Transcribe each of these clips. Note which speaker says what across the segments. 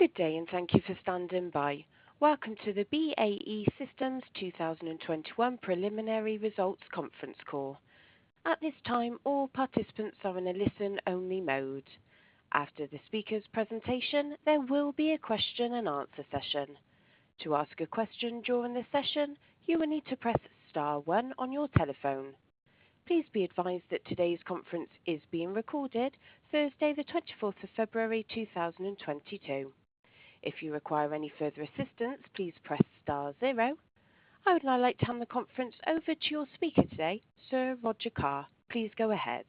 Speaker 1: Good day, and thank you for standing by. Welcome to the BAE Systems 2021 preliminary results conference call. At this time, all participants are in a listen-only mode. After the speaker's presentation, there will be a question-and-answer session. To ask a question during the session, you will need to press star one on your telephone. Please be advised that today's conference is being recorded, Thursday, the 24th of February, 2022. If you require any further assistance, please press star zero. I would now like to hand the conference over to your speaker today, Sir Roger Carr. Please go ahead.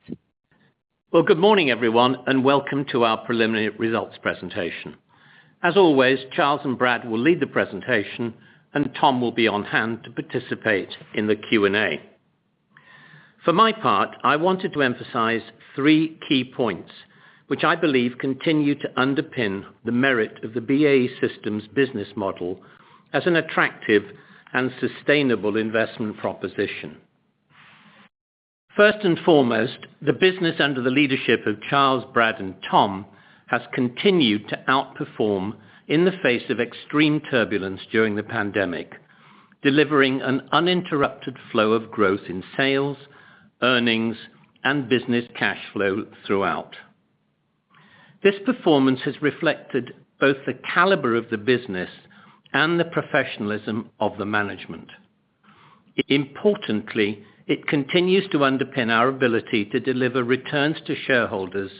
Speaker 2: Well, good morning, everyone, and welcome to our preliminary results presentation. As always, Charles and Brad will lead the presentation, and Tom will be on hand to participate in the Q&A. For my part, I wanted to emphasize three key points, which I believe continue to underpin the merit of the BAE Systems business model as an attractive and sustainable investment proposition. First and foremost, the business under the leadership of Charles, Brad, and Tom has continued to outperform in the face of extreme turbulence during the pandemic, delivering an uninterrupted flow of growth in sales, earnings, and business cash flow throughout. This performance has reflected both the caliber of the business and the professionalism of the management. Importantly, it continues to underpin our ability to deliver returns to shareholders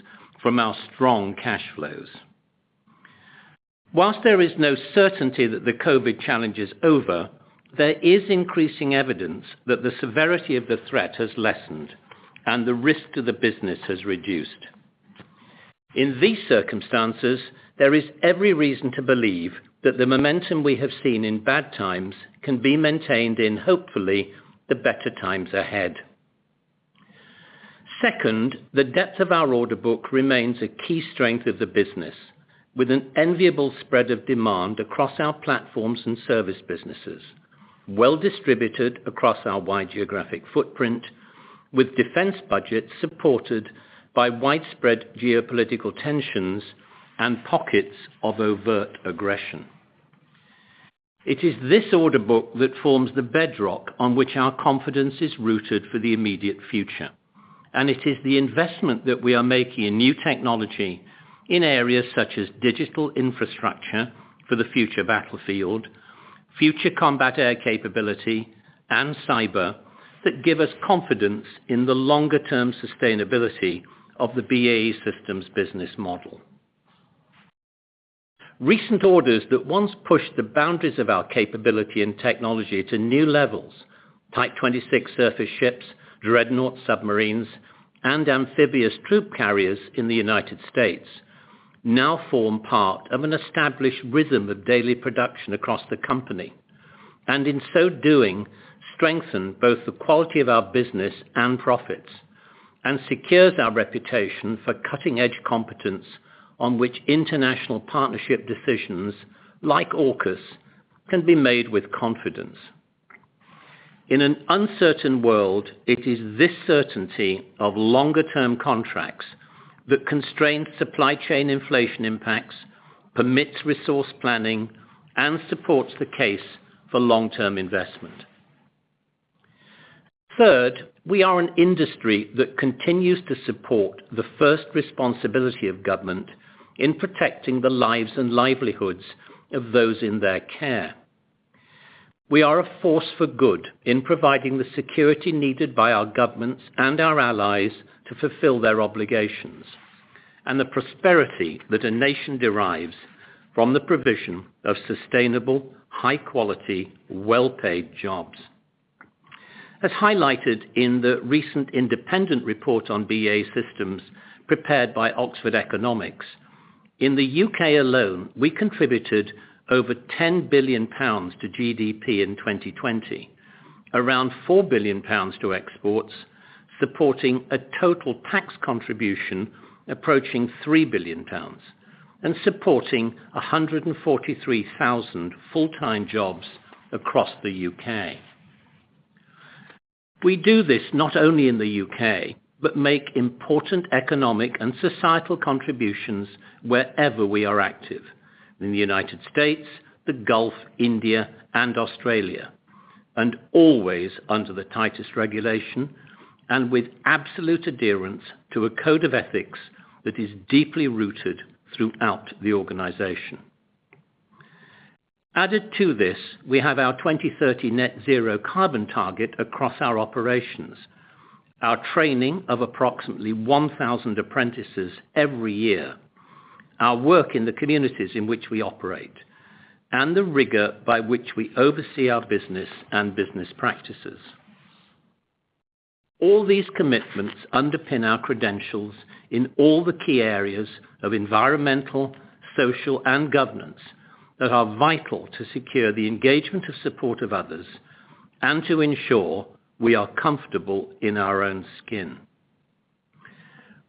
Speaker 2: from our strong cash flows. While there is no certainty that the COVID challenge is over, there is increasing evidence that the severity of the threat has lessened and the risk to the business has reduced. In these circumstances, there is every reason to believe that the momentum we have seen in bad times can be maintained in, hopefully, the better times ahead. Second, the depth of our order book remains a key strength of the business, with an enviable spread of demand across our platforms and service businesses, well-distributed across our wide geographic footprint, with defense budgets supported by widespread geopolitical tensions and pockets of overt aggression. It is this order book that forms the bedrock on which our confidence is rooted for the immediate future, and it is the investment that we are making in new technology in areas such as digital infrastructure for the future battlefield, future combat air capability, and cyber that give us confidence in the longer-term sustainability of the BAE Systems business model. Recent orders that once pushed the boundaries of our capability and technology to new levels, Type 26 surface ships, Dreadnought submarines, and amphibious troop carriers in the United States, now form part of an established rhythm of daily production across the company, and in so doing, strengthen both the quality of our business and profits and secures our reputation for cutting-edge competence on which international partnership decisions like AUKUS can be made with confidence. In an uncertain world, it is this certainty of longer-term contracts that constrain supply chain inflation impacts, permits resource planning, and supports the case for long-term investment. Third, we are an industry that continues to support the first responsibility of government in protecting the lives and livelihoods of those in their care. We are a force for good in providing the security needed by our governments and our allies to fulfill their obligations and the prosperity that a nation derives from the provision of sustainable, high-quality, well-paid jobs. As highlighted in the recent independent report on BAE Systems prepared by Oxford Economics, in the U.K. alone, we contributed over 10 billion pounds to GDP in 2020, around 4 billion pounds to exports, supporting a total tax contribution approaching 3 billion pounds and supporting 143,000 full-time jobs across the U.K. We do this not only in the U.K., but make important economic and societal contributions wherever we are active, in the United States, the Gulf, India, and Australia, and always under the tightest regulation and with absolute adherence to a code of ethics that is deeply rooted throughout the organization. Added to this, we have our 2030 net zero carbon target across our operations, our training of approximately 1,000 apprentices every year, our work in the communities in which we operate, and the rigor by which we oversee our business and business practices. All these commitments underpin our credentials in all the key areas of Environmental, Social, and Governance that are vital to secure the engagement and support of others and to ensure we are comfortable in our own skin.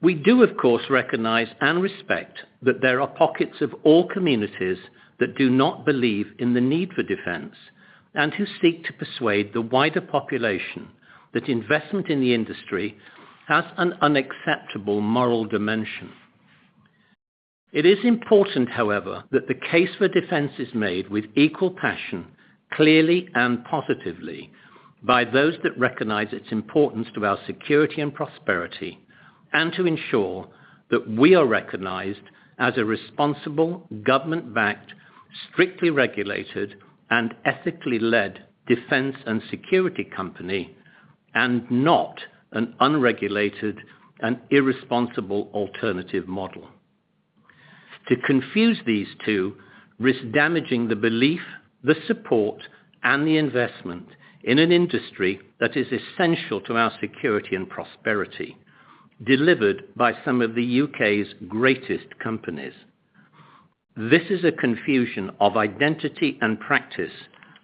Speaker 2: We do, of course, recognize and respect that there are pockets of all communities that do not believe in the need for defense and who seek to persuade the wider population that investment in the industry has an unacceptable moral dimension. It is important, however, that the case for defense is made with equal passion clearly and positively by those that recognize its importance to our security and prosperity, and to ensure that we are recognized as a responsible, government-backed, strictly regulated, and ethically led defense and security company, and not an unregulated and irresponsible alternative model. To confuse these two risks damaging the belief, the support, and the investment in an industry that is essential to our security and prosperity, delivered by some of the U.K.'s greatest companies. This is a confusion of identity and practice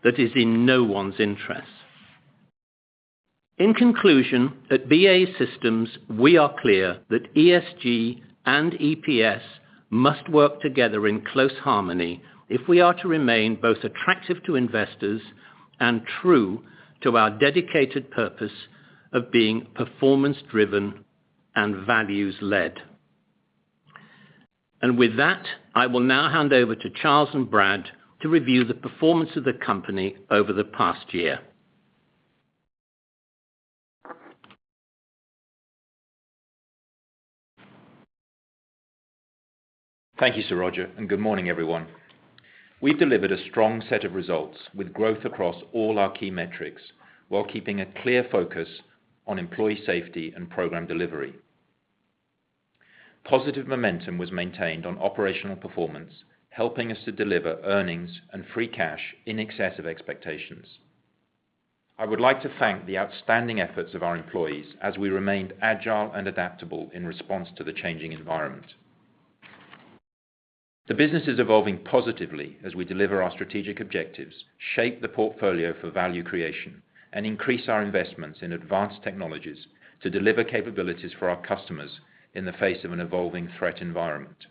Speaker 2: that is in no one's interest. In conclusion, at BAE Systems, we are clear that ESG and EPS must work together in close harmony if we are to remain both attractive to investors and true to our dedicated purpose of being performance-driven and values-led. With that, I will now hand over to Charles and Brad to review the performance of the company over the past year.
Speaker 3: Thank you, Sir Roger, and good morning, everyone. We've delivered a strong set of results with growth across all our key metrics while keeping a clear focus on employee safety and program delivery. Positive momentum was maintained on operational performance, helping us to deliver earnings and free cash in excess of expectations. I would like to thank the outstanding efforts of our employees as we remained agile and adaptable in response to the changing environment. The business is evolving positively as we deliver our strategic objectives, shape the portfolio for value creation, and increase our investments in advanced technologies to deliver capabilities for our customers in the face of an evolving threat environment.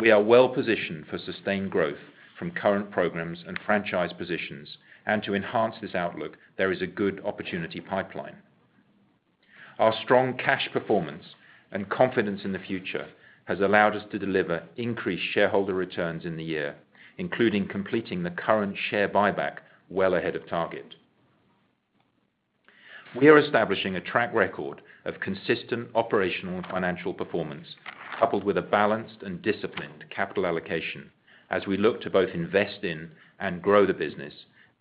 Speaker 3: We are well-positioned for sustained growth from current programs and franchise positions, and to enhance this outlook, there is a good opportunity pipeline. Our strong cash performance and confidence in the future has allowed us to deliver increased shareholder returns in the year, including completing the current share buyback well ahead of target. We are establishing a track record of consistent operational and financial performance, coupled with a balanced and disciplined capital allocation as we look to both invest in and grow the business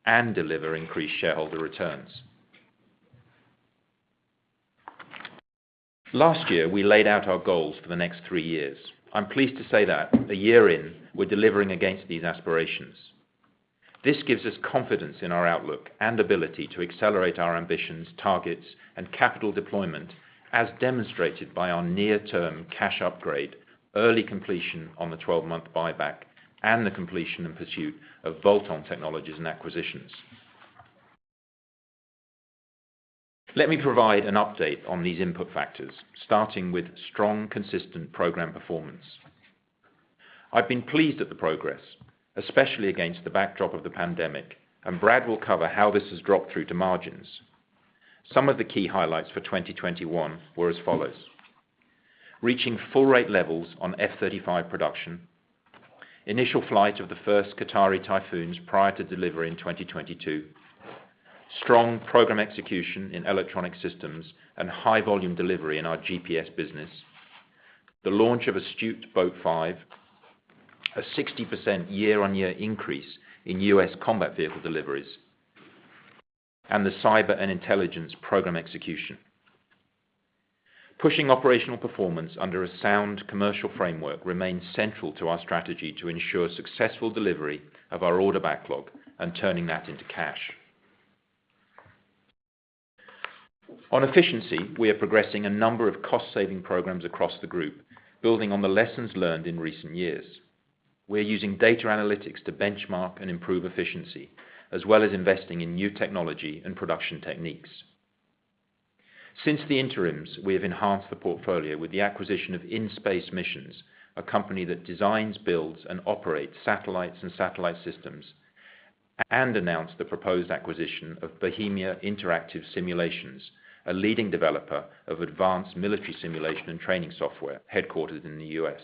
Speaker 3: and deliver increased shareholder returns. Last year, we laid out our goals for the next three years. I'm pleased to say that a year in, we're delivering against these aspirations. This gives us confidence in our outlook and ability to accelerate our ambitions, targets, and capital deployment, as demonstrated by our near-term cash upgrade, early completion on the 12-month buyback, and the completion and pursuit of Voltan Technologies and acquisitions. Let me provide an update on these input factors, starting with strong, consistent program performance. I've been pleased at the progress, especially against the backdrop of the pandemic, and Brad will cover how this has dropped through to margins. Some of the key highlights for 2021 were as follows: reaching full rate levels on F-35 production, initial flight of the first Qatari Typhoons prior to delivery in 2022, strong program execution in electronic systems and high volume delivery in our GPS business, the launch of Astute Boat 5, a 60% year-over-year increase in U.S. combat vehicle deliveries, and the cyber and intelligence program execution. Pushing operational performance under a sound commercial framework remains central to our strategy to ensure successful delivery of our order backlog and turning that into cash. On efficiency, we are progressing a number of cost-saving programs across the group, building on the lessons learned in recent years. We're using data analytics to benchmark and improve efficiency, as well as investing in new technology and production techniques. Since the interims, we have enhanced the portfolio with the acquisition of In-Space Missions, a company that designs, builds, and operates satellites and satellite systems, and announced the proposed acquisition of Bohemia Interactive Simulations, a leading developer of advanced military simulation and training software headquartered in the U.S.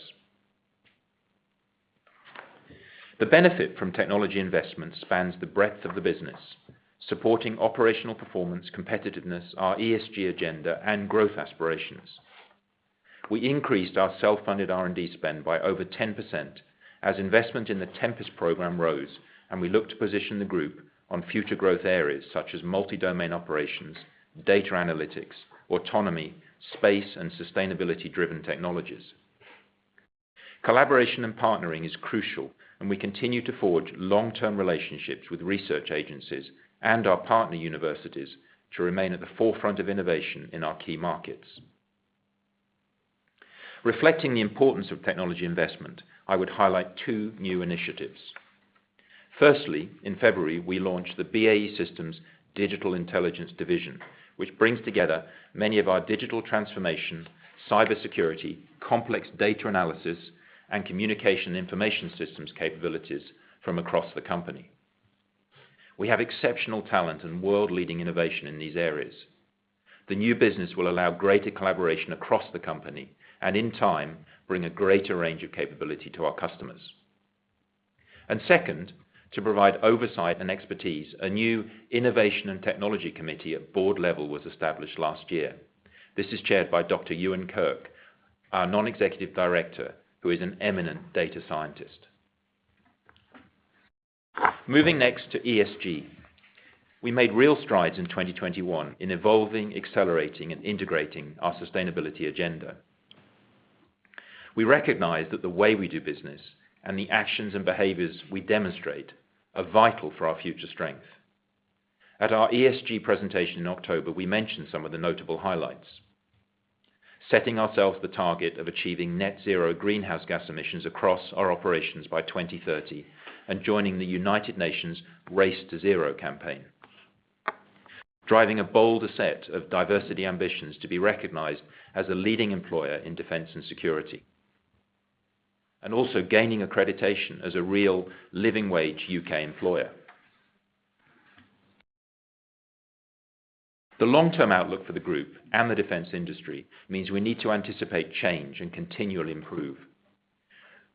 Speaker 3: The benefit from technology investment spans the breadth of the business, supporting operational performance, competitiveness, our ESG agenda, and growth aspirations. We increased our self-funded R&D spend by over 10% as investment in the Tempest program rose, and we look to position the group on future growth areas such as multi-domain operations, data analytics, autonomy, space, and sustainability-driven technologies. Collaboration and partnering is crucial, and we continue to forge long-term relationships with research agencies and our partner universities to remain at the forefront of innovation in our key markets. Reflecting the importance of technology investment, I would highlight two new initiatives. Firstly, in February, we launched the BAE Systems Digital Intelligence Division, which brings together many of our digital transformation, cybersecurity, complex data analysis, and communication information systems capabilities from across the company. We have exceptional talent and world-leading innovation in these areas. The new business will allow greater collaboration across the company and in time, bring a greater range of capability to our customers. Second, to provide oversight and expertise, a new innovation and technology committee at board level was established last year. This is chaired by Dr. Ewan Kirk, our non-executive director, who is an eminent data scientist. Moving next to ESG. We made real strides in 2021 in evolving, accelerating, and integrating our sustainability agenda. We recognize that the way we do business and the actions and behaviors we demonstrate are vital for our future strength. At our ESG presentation in October, we mentioned some of the notable highlights, setting ourselves the target of achieving net zero greenhouse gas emissions across our operations by 2030 and joining the United Nations Race to Zero campaign, driving a bolder set of diversity ambitions to be recognized as a leading employer in defense and security, and also gaining accreditation as a real living wage U.K. employer. The long-term outlook for the group and the defense industry means we need to anticipate change and continually improve.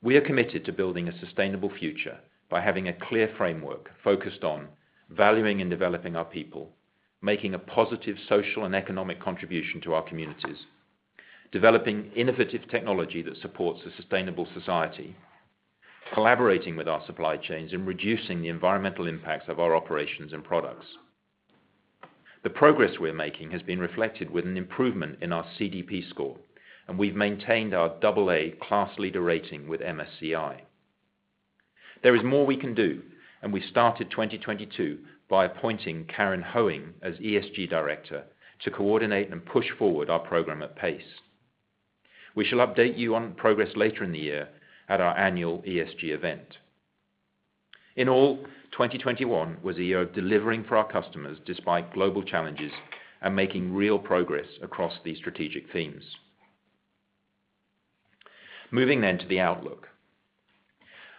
Speaker 3: We are committed to building a sustainable future by having a clear framework focused on valuing and developing our people, making a positive social and economic contribution to our communities, developing innovative technology that supports a sustainable society, collaborating with our supply chains, and reducing the environmental impacts of our operations and products. The progress we're making has been reflected with an improvement in our CDP score, and we've maintained our AA class leader rating with MSCI. There is more we can do, and we started 2022 by appointing Karin Hoeing as ESG Director to coordinate and push forward our program at pace. We shall update you on progress later in the year at our annual ESG event. In all, 2021 was a year of delivering for our customers despite global challenges and making real progress across these strategic themes. Moving then to the outlook.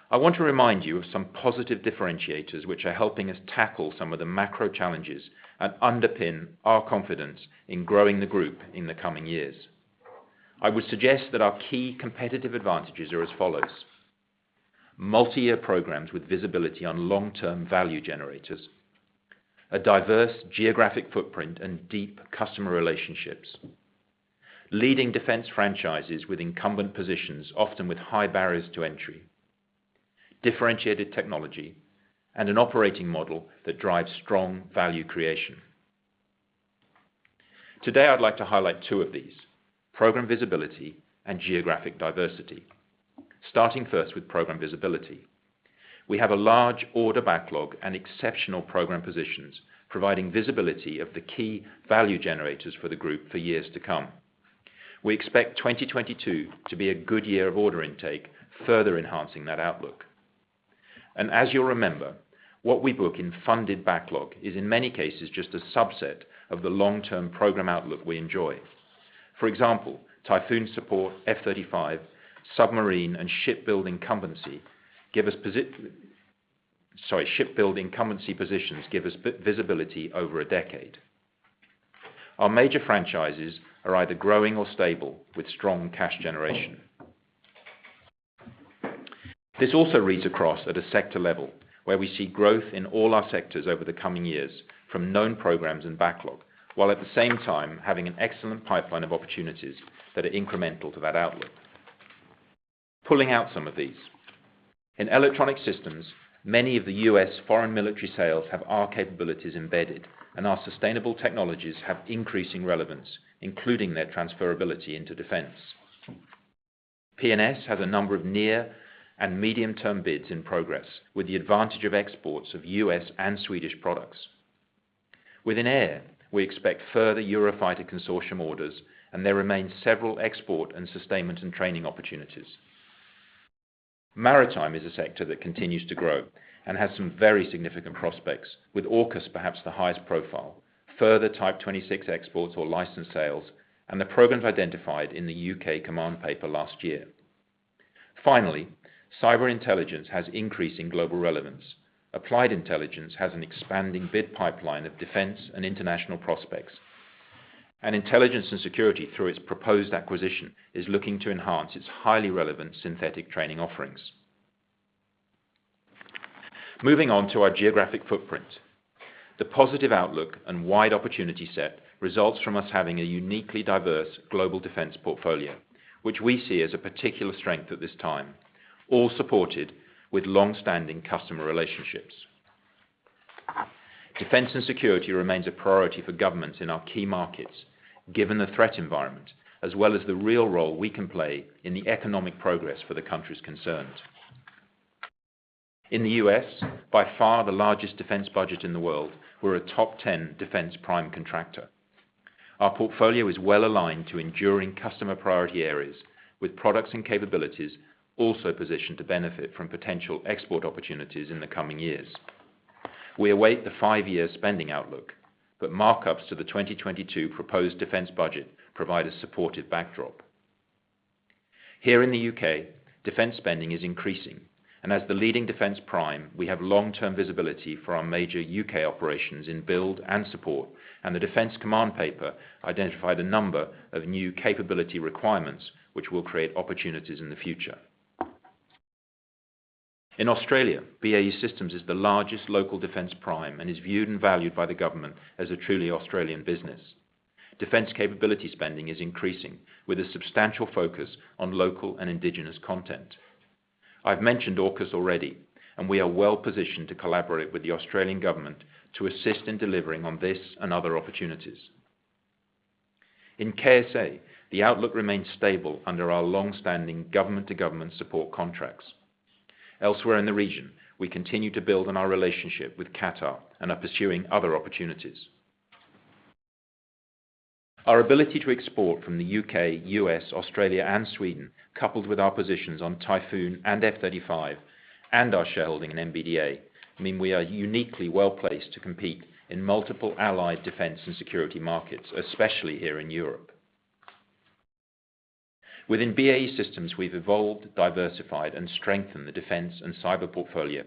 Speaker 3: I want to remind you of some positive differentiators which are helping us tackle some of the macro challenges and underpin our confidence in growing the group in the coming years. I would suggest that our key competitive advantages are as follows. Multi-year programs with visibility on long-term value generators, a diverse geographic footprint and deep customer relationships, leading defense franchises with incumbent positions, often with high barriers to entry, differentiated technology, and an operating model that drives strong value creation. Today, I'd like to highlight two of these, program visibility and geographic diversity. Starting first with program visibility. We have a large order backlog and exceptional program positions, providing visibility of the key value generators for the group for years to come. We expect 2022 to be a good year of order intake, further enhancing that outlook. As you'll remember, what we book in funded backlog is in many cases just a subset of the long-term program outlook we enjoy. For example, Typhoon support, F-35, submarine, and shipbuilding incumbency positions give us visibility over a decade. Our major franchises are either growing or stable with strong cash generation. This also reads across at a sector level, where we see growth in all our sectors over the coming years from known programs and backlog, while at the same time having an excellent pipeline of opportunities that are incremental to that outlook. Pulling out some of these. In electronic systems, many of the U.S. foreign military sales have our capabilities embedded, and our sustainable technologies have increasing relevance, including their transferability into defense. P&S has a number of near- and medium-term bids in progress, with the advantage of exports of U.S. and Swedish products. Within air, we expect further Eurofighter consortium orders, and there remains several export and sustainment and training opportunities. Maritime is a sector that continues to grow and has some very significant prospects with AUKUS perhaps the highest profile, further Type 26 exports or license sales and the programs identified in the U.K. Defence Command Paper last year. Finally, cyber intelligence has increasing global relevance. Applied Intelligence has an expanding bid pipeline of defense and international prospects. Intelligence and Security through its proposed acquisition is looking to enhance its highly relevant synthetic training offerings. Moving on to our geographic footprint. The positive outlook and wide opportunity set results from us having a uniquely diverse global defense portfolio, which we see as a particular strength at this time, all supported with long-standing customer relationships. Defense and security remains a priority for governments in our key markets, given the threat environment, as well as the real role we can play in the economic progress for the countries concerned. In the U.S., by far the largest defense budget in the world, we're a top 10 defense prime contractor. Our portfolio is well-aligned to enduring customer priority areas with products and capabilities also positioned to benefit from potential export opportunities in the coming years. We await the five-year spending outlook, but markups to the 2022 proposed defense budget provide a supportive backdrop. Here in the U.K., defense spending is increasing, and as the leading defense prime, we have long-term visibility for our major U.K. operations in build and support. The Defense Command Paper identified a number of new capability requirements which will create opportunities in the future. In Australia, BAE Systems is the largest local defense prime and is viewed and valued by the government as a truly Australian business. Defense capability spending is increasing with a substantial focus on local and indigenous content. I've mentioned AUKUS already, and we are well-positioned to collaborate with the Australian government to assist in delivering on this and other opportunities. In KSA, the outlook remains stable under our long-standing government-to-government support contracts. Elsewhere in the region, we continue to build on our relationship with Qatar and are pursuing other opportunities. Our ability to export from the U.K., U.S., Australia, and Sweden, coupled with our positions on Typhoon and F-35 and our shareholding in MBDA, mean we are uniquely well-placed to compete in multiple allied defense and security markets, especially here in Europe. Within BAE Systems, we've evolved, diversified, and strengthened the defense and cyber portfolio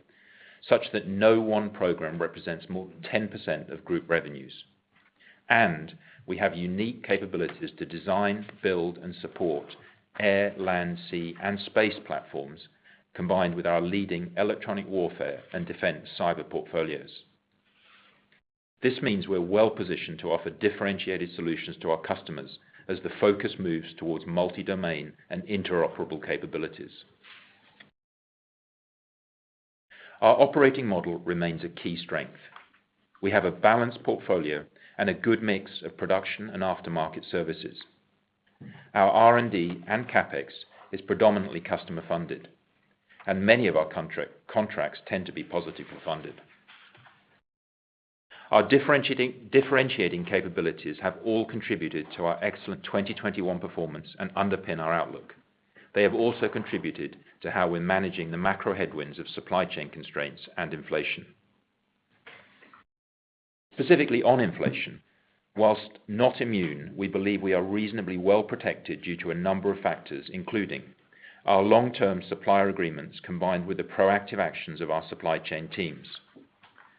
Speaker 3: such that no one program represents more than 10% of group revenues. We have unique capabilities to design, build, and support air, land, sea, and space platforms, combined with our leading electronic warfare and defense cyber portfolios. This means we're well-positioned to offer differentiated solutions to our customers as the focus moves towards multi-domain and interoperable capabilities. Our operating model remains a key strength. We have a balanced portfolio and a good mix of production and aftermarket services. Our R&D and CapEx is predominantly customer-funded, and many of our contracts tend to be positively funded. Our differentiating capabilities have all contributed to our excellent 2021 performance and underpin our outlook. They have also contributed to how we're managing the macro headwinds of supply chain constraints and inflation. Specifically on inflation, while not immune, we believe we are reasonably well-protected due to a number of factors, including our long-term supplier agreements, combined with the proactive actions of our supply chain teams,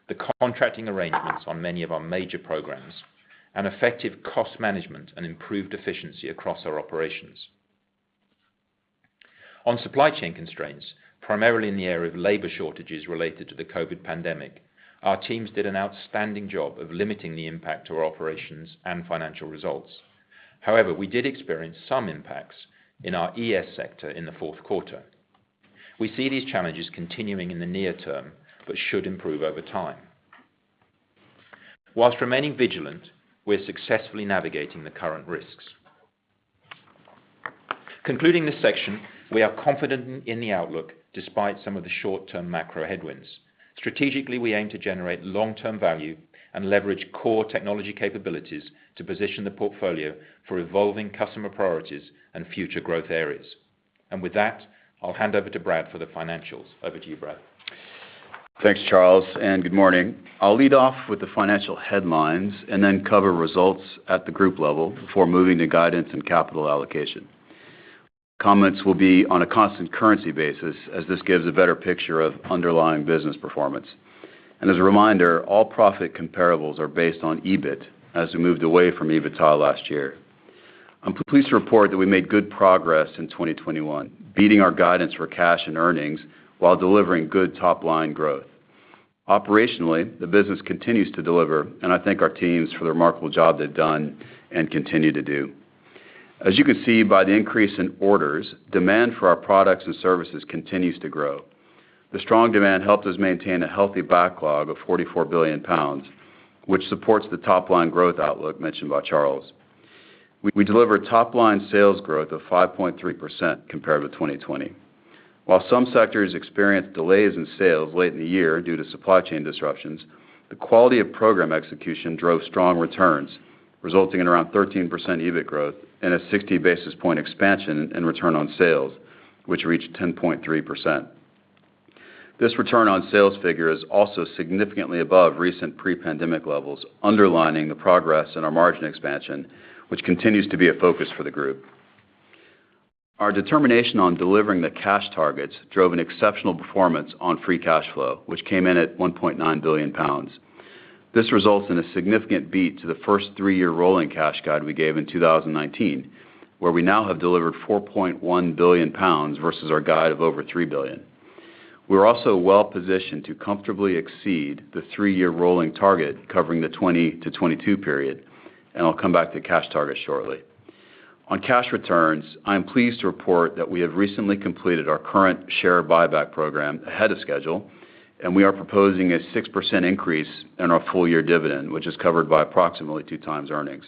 Speaker 3: the contracting arrangements on many of our major programs, and effective cost management and improved efficiency across our operations. On supply chain constraints, primarily in the area of labor shortages related to the COVID pandemic, our teams did an outstanding job of limiting the impact to our operations and financial results. However, we did experience some impacts in our ES sector in the fourth quarter. We see these challenges continuing in the near term, but should improve over time. While remaining vigilant, we're successfully navigating the current risks. Concluding this section, we are confident in the outlook despite some of the short-term macro headwinds. Strategically, we aim to generate long-term value and leverage core technology capabilities to position the portfolio for evolving customer priorities and future growth areas. With that, I'll hand over to Brad for the financials. Over to you, Brad.
Speaker 4: Thanks, Charles, and good morning. I'll lead off with the financial headlines and then cover results at the group level before moving to guidance and capital allocation. Comments will be on a constant currency basis as this gives a better picture of underlying business performance. As a reminder, all profit comparables are based on EBIT, as we moved away from EBITDA last year. I'm pleased to report that we made good progress in 2021, beating our guidance for cash and earnings while delivering good top-line growth. Operationally, the business continues to deliver, and I thank our teams for the remarkable job they've done and continue to do. As you can see by the increase in orders, demand for our products and services continues to grow. The strong demand helped us maintain a healthy backlog of 44 billion pounds, which supports the top-line growth outlook mentioned by Charles. We delivered top-line sales growth of 5.3% compared to 2020. While some sectors experienced delays in sales late in the year due to supply chain disruptions, the quality of program execution drove strong returns, resulting in around 13% EBIT growth and a 60 basis point expansion in return on sales, which reached 10.3%. This return on sales figure is also significantly above recent pre-pandemic levels, underlining the progress in our margin expansion, which continues to be a focus for the group. Our determination on delivering the cash targets drove an exceptional performance on free cash flow, which came in at 1.9 billion pounds. This results in a significant beat to the first three-year rolling cash guide we gave in 2019, where we now have delivered 4.1 billion pounds versus our guide of over 3 billion. We're also well-positioned to comfortably exceed the three-year rolling target covering the 20-22 period, and I'll come back to cash target shortly. On cash returns, I am pleased to report that we have recently completed our current share buyback program ahead of schedule, and we are proposing a 6% increase in our full-year dividend, which is covered by approximately 2x earnings.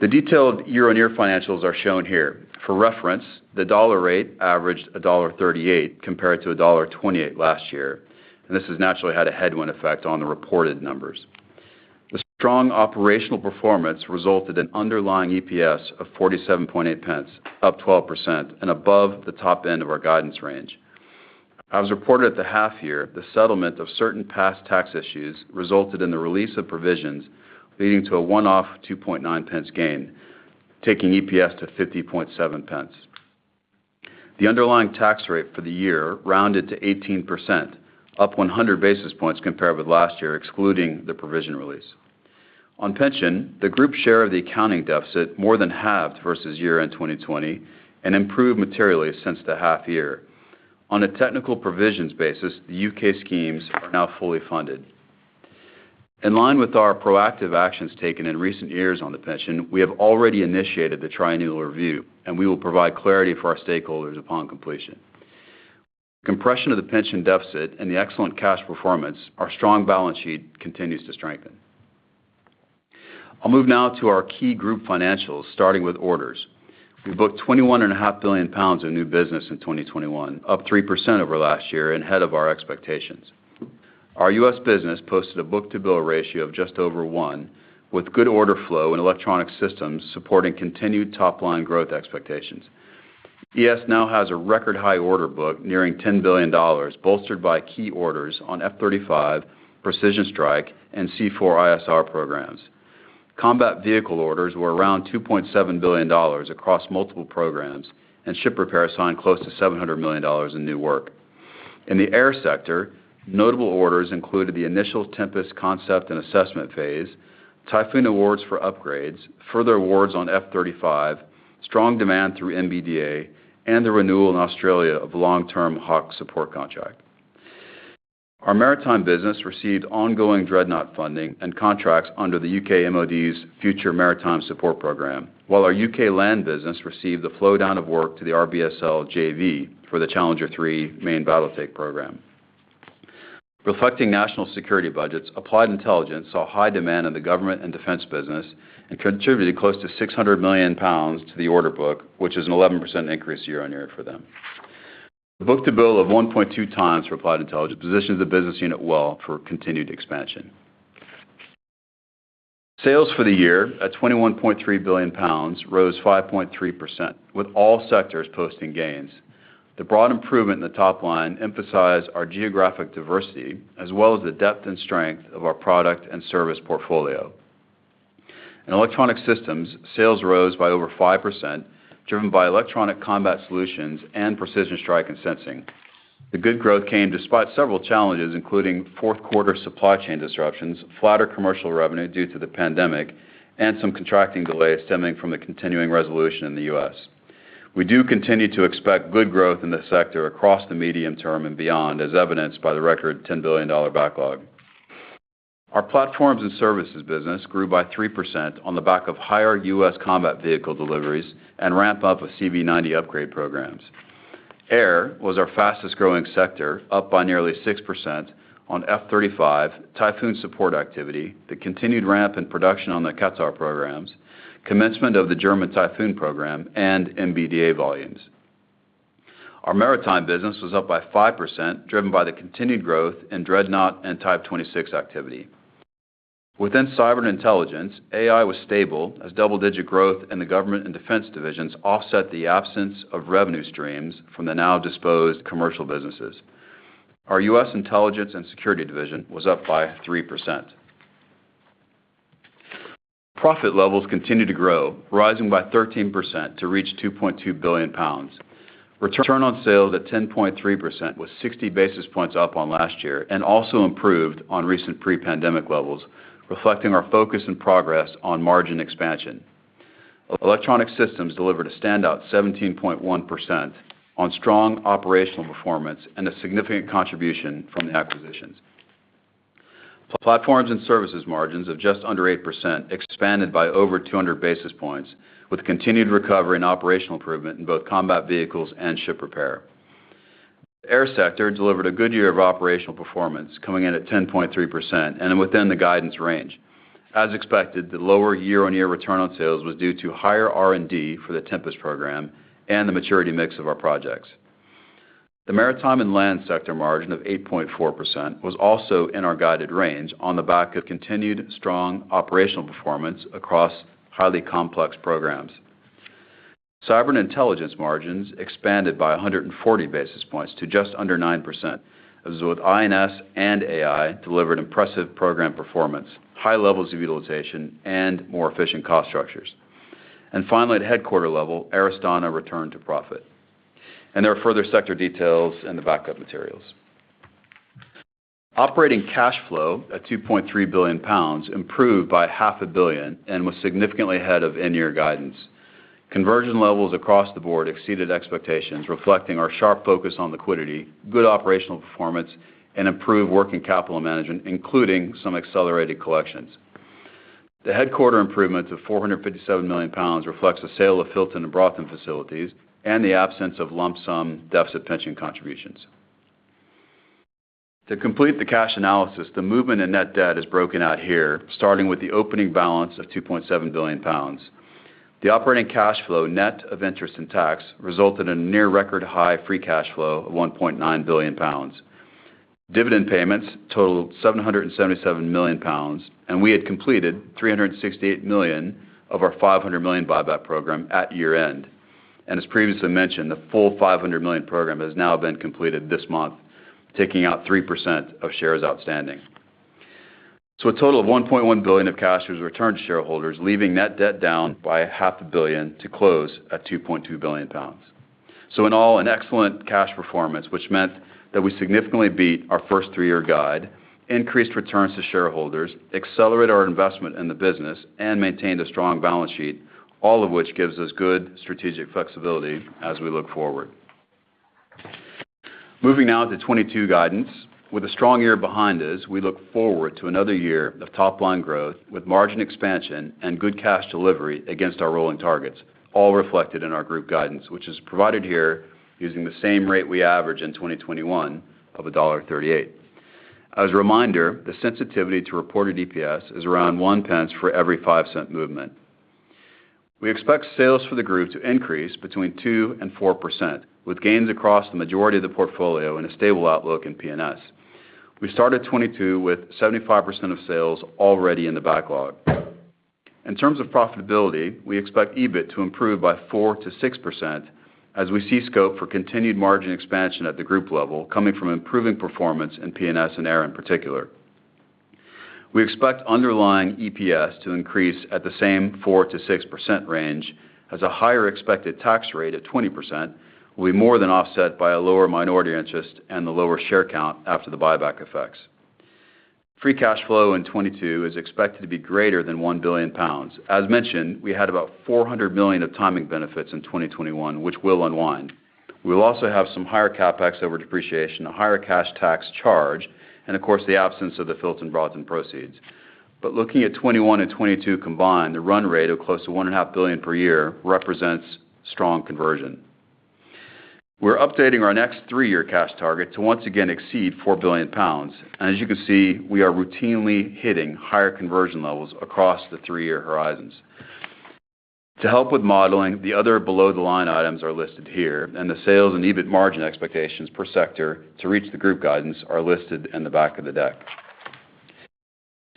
Speaker 4: The detailed year-on-year financials are shown here. For reference, the dollar rate averaged $1.38 compared to $1.28 last year, and this has naturally had a headwind effect on the reported numbers. The strong operational performance resulted in underlying EPS of 0.478, up 12% and above the top end of our guidance range. As reported at the half year, the settlement of certain past tax issues resulted in the release of provisions, leading to a one-off 0.029 gain, taking EPS to 0.507. The underlying tax rate for the year rounded to 18%, up 100 basis points compared with last year, excluding the provision release. On pension, the group share of the accounting deficit more than halved versus year-end 2020 and improved materially since the half year. On a technical provisions basis, the U.K. schemes are now fully funded. In line with our proactive actions taken in recent years on the pension, we have already initiated the triennial review, and we will provide clarity for our stakeholders upon completion. Compression of the pension deficit and the excellent cash performance. Our strong balance sheet continues to strengthen. I'll move now to our key group financials, starting with orders. We booked 21, 500 billion of new business in 2021, up 3% over last year and ahead of our expectations. Our U.S. business posted a book-to-bill ratio of just over one, with good order flow and electronic systems supporting continued top-line growth expectations. ES now has a record high order book nearing $10 billion, bolstered by key orders on F-35, Precision Strike, and C4ISR programs. Combat vehicle orders were around $2.7 billion across multiple programs, and ship repair signed close to $700 million in new work. In the air sector, notable orders included the initial Tempest concept and assessment phase, Typhoon awards for upgrades, further awards on F-35, strong demand through MBDA, and the renewal in Australia of long-term Hawk support contract. Our maritime business received ongoing Dreadnought funding and contracts under the U.K. MOD's Future Maritime Support program, while our U.K. land business received the flow-down of work to the RBSL JV for the Challenger 3 main battle tank program. Reflecting national security budgets, Applied Intelligence saw high demand in the government and defense business and contributed close to 600 million pounds to the order book, which is an 11% increase year-on-year for them. Book-to-bill of 1.2x for Applied Intelligence positions the business unit well for continued expansion. Sales for the year, at 21.3 billion pounds, rose 5.3%, with all sectors posting gains. The broad improvement in the top line emphasized our geographic diversity as well as the depth and strength of our product and service portfolio. In Electronic Systems, sales rose by over 5%, driven by Electronic Combat Solutions and Precision Strike and sensing. The good growth came despite several challenges, including fourth quarter supply chain disruptions, flatter commercial revenue due to the pandemic, and some contracting delays stemming from the continuing resolution in the U.S. We do continue to expect good growth in the sector across the medium term and beyond, as evidenced by the record $10 billion backlog. Our Platforms & Services business grew by 3% on the back of higher U.S. combat vehicle deliveries and ramp up of CV90 upgrade programs. Air was our fastest-growing sector, up by nearly 6% on F-35, Typhoon support activity, the continued ramp in production on the Qatar programs, commencement of the German Typhoon program, and MBDA volumes. Our maritime business was up by 5%, driven by the continued growth in Dreadnought and Type 26 activity. Within cyber and intelligence, I&S was stable as double-digit growth in the government and defense divisions offset the absence of revenue streams from the now disposed commercial businesses. Our U.S. intelligence and security division was up by 3%. Profit levels continued to grow, rising by 13% to reach 2.2 billion pounds. Return on sales at 10.3% was 60 basis points up on last year and also improved on recent pre-pandemic levels, reflecting our focus and progress on margin expansion. Electronic Systems delivered a standout 17.1% on strong operational performance and a significant contribution from the acquisitions. Platforms and Services margins of just under 8% expanded by over 200 basis points with continued recovery and operational improvement in both combat vehicles and ship repair. Air sector delivered a good year of operational performance, coming in at 10.3% and within the guidance range. As expected, the lower year-on-year return on sales was due to higher R&D for the Tempest program and the maturity mix of our projects. The maritime and land sector margin of 8.4% was also in our guided range on the back of continued strong operational performance across highly complex programs. Cyber and intelligence margins expanded by 140 basis points to just under 9% as both I&S and AI delivered impressive program performance, high levels of utilization, and more efficient cost structures. Finally, at headquarters level, Aristana returned to profit. There are further sector details in the backup materials. Operating cash flow at 2.3 billion pounds improved by half a billion and was significantly ahead of in-year guidance. Conversion levels across the board exceeded expectations, reflecting our sharp focus on liquidity, good operational performance, and improved working capital management, including some accelerated collections. The headquarters improvements of 457 million pounds reflects the sale of Filton and Broughton facilities and the absence of lump sum deficit pension contributions. To complete the cash analysis, the movement in net debt is broken out here, starting with the opening balance of 2.7 billion pounds. The operating cash flow, net of interest and tax, resulted in a near record high free cash flow of 1.9 billion pounds. Dividend payments totaled 777 million pounds, and we had completed 368 million of our 500 million buyback program at year-end. As previously mentioned, the full 500 million program has now been completed this month, taking out 3% of shares outstanding. A total of 1.1 billion of cash was returned to shareholders, leaving net debt down by half a billion to close at 2.2 billion pounds. In all, an excellent cash performance, which meant that we significantly beat our first three-year guide, increased returns to shareholders, accelerated our investment in the business, and maintained a strong balance sheet, all of which gives us good strategic flexibility as we look forward. Moving now to 2022 guidance. With a strong year behind us, we look forward to another year of top-line growth with margin expansion and good cash delivery against our rolling targets, all reflected in our group guidance, which is provided here using the same rate we averaged in 2021 of $1.38. As a reminder, the sensitivity to reported EPS is around 0.01 for every five cent movement. We expect sales for the group to increase between 2% and 4%, with gains across the majority of the portfolio and a stable outlook in P&S. We started 2022 with 75% of sales already in the backlog. In terms of profitability, we expect EBIT to improve by 4%-6% as we see scope for continued margin expansion at the group level coming from improving performance in P&S and Air in particular. We expect underlying EPS to increase at the same 4%-6% range as a higher expected tax rate of 20% will be more than offset by a lower minority interest and the lower share count after the buyback effects. Free cash flow in 2022 is expected to be greater than 1 billion pounds. As mentioned, we had about 400 million of timing benefits in 2021, which will unwind. We will also have some higher CapEx over depreciation, a higher cash tax charge, and of course, the absence of the Filton Broughton proceeds. Looking at 2021 and 2022 combined, the run rate of close to 1.5 billion per year represents strong conversion. We're updating our next three-year cash target to once again exceed 4 billion pounds. As you can see, we are routinely hitting higher conversion levels across the three-year horizons. To help with modeling, the other below-the-line items are listed here, and the sales and EBIT margin expectations per sector to reach the group guidance are listed in the back of the deck.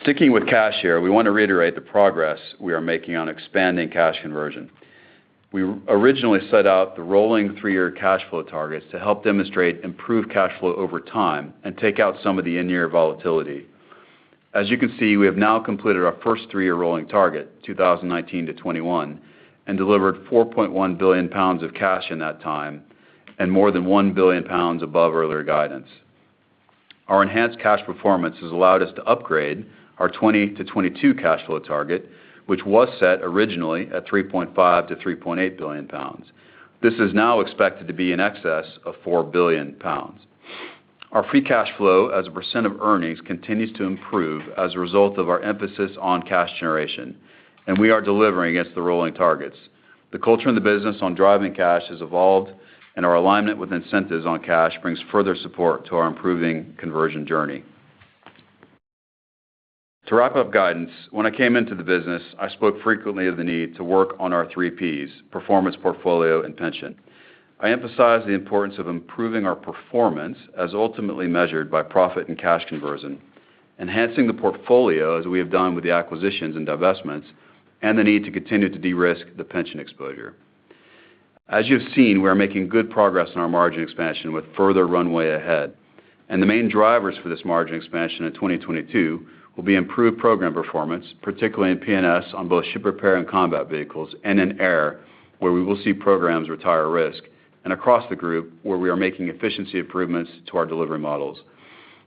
Speaker 4: Sticking with cash here, we want to reiterate the progress we are making on expanding cash conversion. We originally set out the rolling three-year cash flow targets to help demonstrate improved cash flow over time and take out some of the in-year volatility. As you can see, we have now completed our first three-year rolling target, 2019 to 2021, and delivered 4.1 billion pounds of cash in that time and more than 1 billion pounds above earlier guidance. Our enhanced cash performance has allowed us to upgrade our 2020 to 2022 cash flow target, which was set originally at 3.5 billion-3.8 billion pounds. This is now expected to be in excess of 4 billion pounds. Our free cash flow as a % of earnings continues to improve as a result of our emphasis on cash generation, and we are delivering against the rolling targets. The culture in the business on driving cash has evolved, and our alignment with incentives on cash brings further support to our improving conversion journey. To wrap up guidance, when I came into the business, I spoke frequently of the need to work on our three Ps, performance, portfolio, and pension. I emphasized the importance of improving our performance as ultimately measured by profit and cash conversion, enhancing the portfolio as we have done with the acquisitions and divestments, and the need to continue to de-risk the pension exposure. As you have seen, we are making good progress on our margin expansion with further runway ahead. The main drivers for this margin expansion in 2022 will be improved program performance, particularly in P&S on both ship repair and combat vehicles and in Air, where we will see programs retire risk and across the group, where we are making efficiency improvements to our delivery models.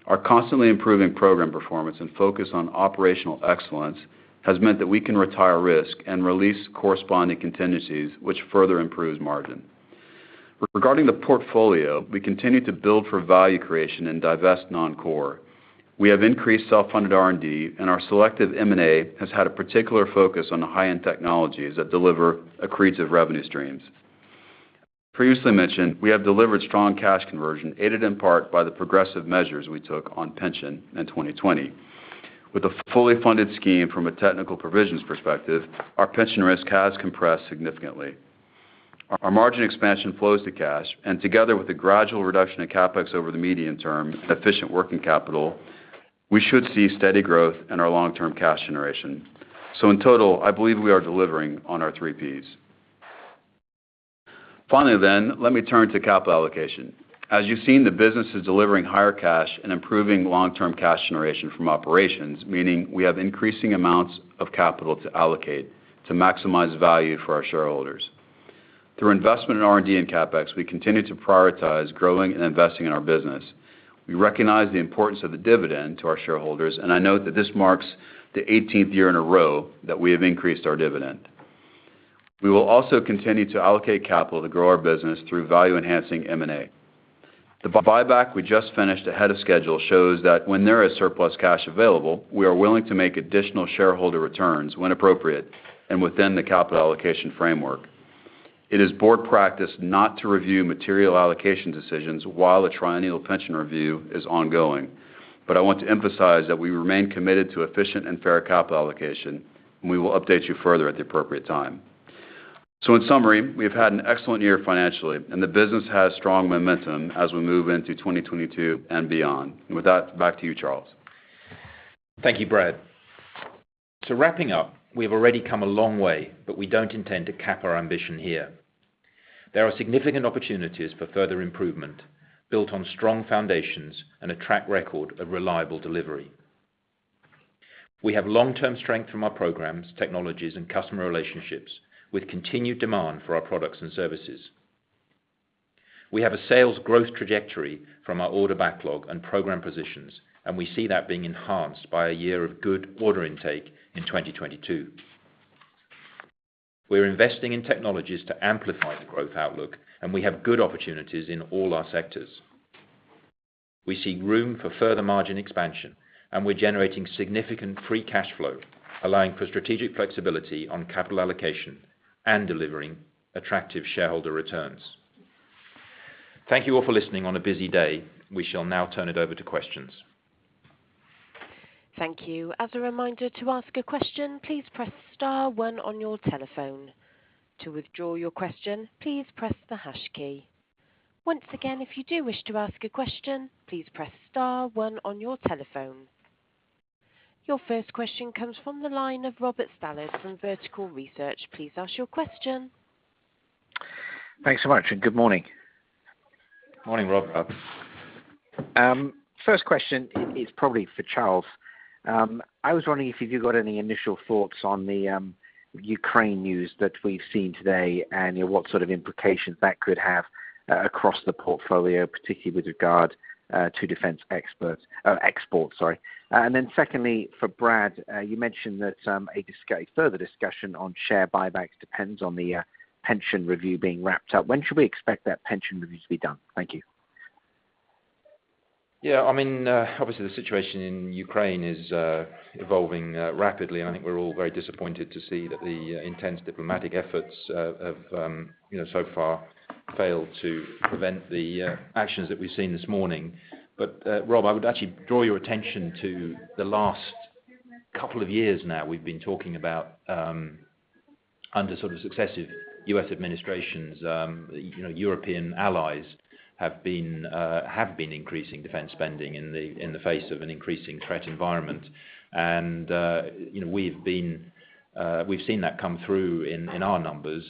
Speaker 4: Our constantly improving program performance and focus on operational excellence has meant that we can retire risk and release corresponding contingencies, which further improves margin. Regarding the portfolio, we continue to build for value creation and divest non-core. We have increased self-funded R&D, and our selective M&A has had a particular focus on the high-end technologies that deliver accretive revenue streams. Previously mentioned, we have delivered strong cash conversion, aided in part by the progressive measures we took on pension in 2020. With a fully funded scheme from a technical provisions perspective, our pension risk has compressed significantly. Our margin expansion flows to cash, and together with the gradual reduction in CapEx over the medium term, efficient working capital, we should see steady growth in our long-term cash generation. In total, I believe we are delivering on our three Ps. Finally, let me turn to capital allocation. As you've seen, the business is delivering higher cash and improving long-term cash generation from operations, meaning we have increasing amounts of capital to allocate to maximize value for our shareholders. Through investment in R&D and CapEx, we continue to prioritize growing and investing in our business. We recognize the importance of the dividend to our shareholders, and I note that this marks the eighteenth year in a row that we have increased our dividend. We will also continue to allocate capital to grow our business through value-enhancing M&A. The buyback we just finished ahead of schedule shows that when there is surplus cash available, we are willing to make additional shareholder returns when appropriate and within the capital allocation framework. It is board practice not to review material allocation decisions while a triennial pension review is ongoing. I want to emphasize that we remain committed to efficient and fair capital allocation, and we will update you further at the appropriate time. In summary, we've had an excellent year financially, and the business has strong momentum as we move into 2022 and beyond. With that, back to you, Charles.
Speaker 3: Thank you, Brad. Wrapping up, we have already come a long way, but we don't intend to cap our ambition here. There are significant opportunities for further improvement built on strong foundations and a track record of reliable delivery. We have long-term strength from our programs, technologies, and customer relationships, with continued demand for our products and services. We have a sales growth trajectory from our order backlog and program positions, and we see that being enhanced by a year of good order intake in 2022. We're investing in technologies to amplify the growth outlook, and we have good opportunities in all our sectors. We see room for further margin expansion, and we're generating significant free cash flow, allowing for strategic flexibility on capital allocation and delivering attractive shareholder returns. Thank you all for listening on a busy day. We shall now turn it over to questions.
Speaker 1: Thank you. As a reminder, to ask a question, please press star one on your telephone. To withdraw your question, please press the hash key. Once again, if you do wish to ask a question, please press star one on your telephone. Your first question comes from the line of Robert Stallard from Vertical Research. Please ask your question.
Speaker 5: Thanks so much, and good morning.
Speaker 3: Morning, Rob.
Speaker 5: First question is probably for Charles. I was wondering if you got any initial thoughts on the Ukraine news that we've seen today and what sort of implications that could have across the portfolio, particularly with regard to defense exports, sorry. And then secondly, for Brad, you mentioned that a further discussion on share buybacks depends on the pension review being wrapped up. When should we expect that pension review to be done? Thank you.
Speaker 3: Yeah, I mean, obviously, the situation in Ukraine is evolving rapidly, and I think we're all very disappointed to see that the intense diplomatic efforts have you know so far failed to prevent the actions that we've seen this morning. Rob, I would actually draw your attention to the last couple of years now we've been talking about under sort of successive U.S. administrations you know European allies have been increasing defense spending in the face of an increasing threat environment. You know, we've seen that come through in our numbers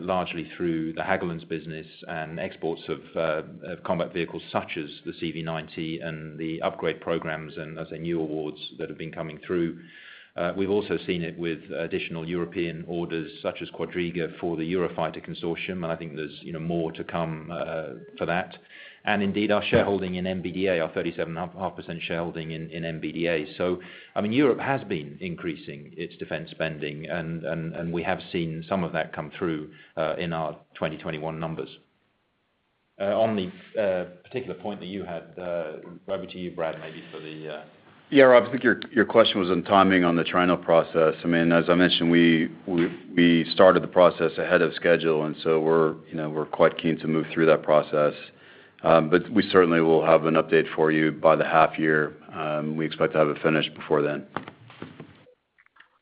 Speaker 3: largely through the Hägglunds business and exports of combat vehicles such as the CV90 and the upgrade programs and, as I say, new awards that have been coming through. We've also seen it with additional European orders, such as Quadriga for the Eurofighter consortium, and I think there's, you know, more to come for that. Indeed, our shareholding in MBDA, our 37.5% shareholding in MBDA. I mean, Europe has been increasing its defense spending, and we have seen some of that come through in our 2021 numbers. On the particular point that you had, over to you, Brad, maybe for the
Speaker 4: Yeah, Rob, I think your question was on timing on the triennial process. I mean, as I mentioned, we started the process ahead of schedule, and so, you know, we're quite keen to move through that process. We certainly will have an update for you by the half year. We expect to have it finished before then.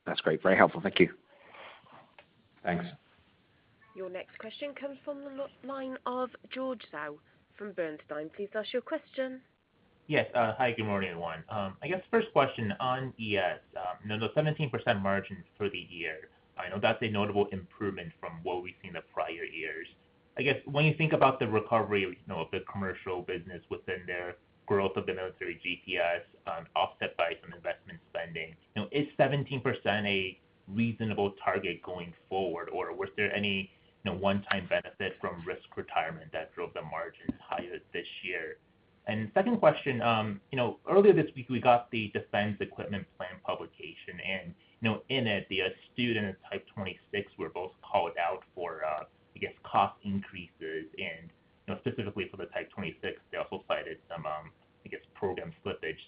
Speaker 5: That's great. Very helpful. Thank you.
Speaker 3: Thanks.
Speaker 1: Your next question comes from the line of George Zhao from Bernstein. Please ask your question.
Speaker 6: Yes. Hi, good morning, everyone. I guess first question on ES. You know, the 17% margin for the year, I know that's a notable improvement from what we've seen the prior years. I guess when you think about the recovery, you know, of the commercial business within the growth of the military GPS, offset by some investment spending, you know, is 17% a reasonable target going forward, or was there any, you know, one-time benefit from risk retirement that drove the margins higher this year? Second question, you know, earlier this week, we got the Defence Equipment Plan publication, and, you know, in it, the Astute, Type 26 were both called out for, I guess, cost increases and, you know, specifically for the Type 26, they also cited some, I guess, program slippage.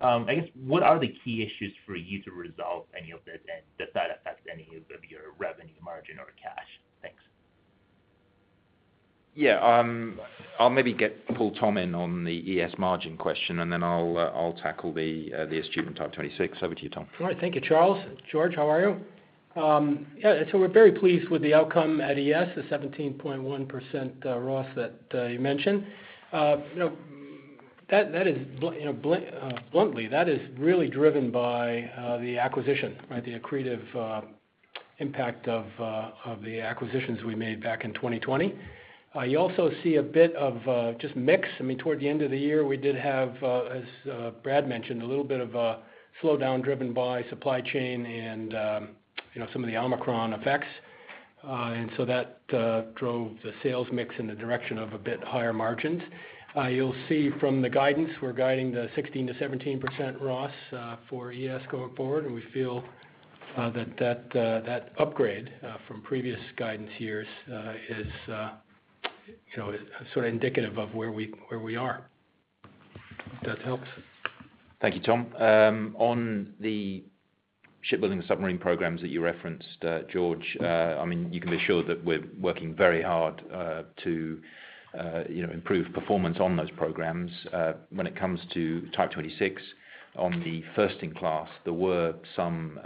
Speaker 6: I guess what are the key issues for you to resolve any of this, and does that affect any of your revenue margin or cash? Thanks.
Speaker 3: Yeah. I'll maybe get Tom Arseneault in on the ES margin question, and then I'll tackle the Astute Type 26. Over to you, Tom.
Speaker 7: All right. Thank you, Charles. George, how are you? We're very pleased with the outcome at ES, the 17.1% RoS that you mentioned. You know, that is, bluntly, really driven by the acquisition, right? The accretive impact of the acquisitions we made back in 2020. You also see a bit of just mix. I mean, toward the end of the year, we did have, as Brad mentioned, a little bit of a slowdown driven by supply chain and, you know, some of the Omicron effects. That drove the sales mix in the direction of a bit higher margins. You'll see from the guidance, we're guiding the 16%-17% RoS for ES going forward, and we feel that upgrade from previous guidance years is, you know, sort of indicative of where we are, if that helps.
Speaker 3: Thank you, Tom. On the shipbuilding submarine programs that you referenced, George, I mean, you can be sure that we're working very hard to, you know, improve performance on those programs. When it comes to Type 26, on the first in class, there were some,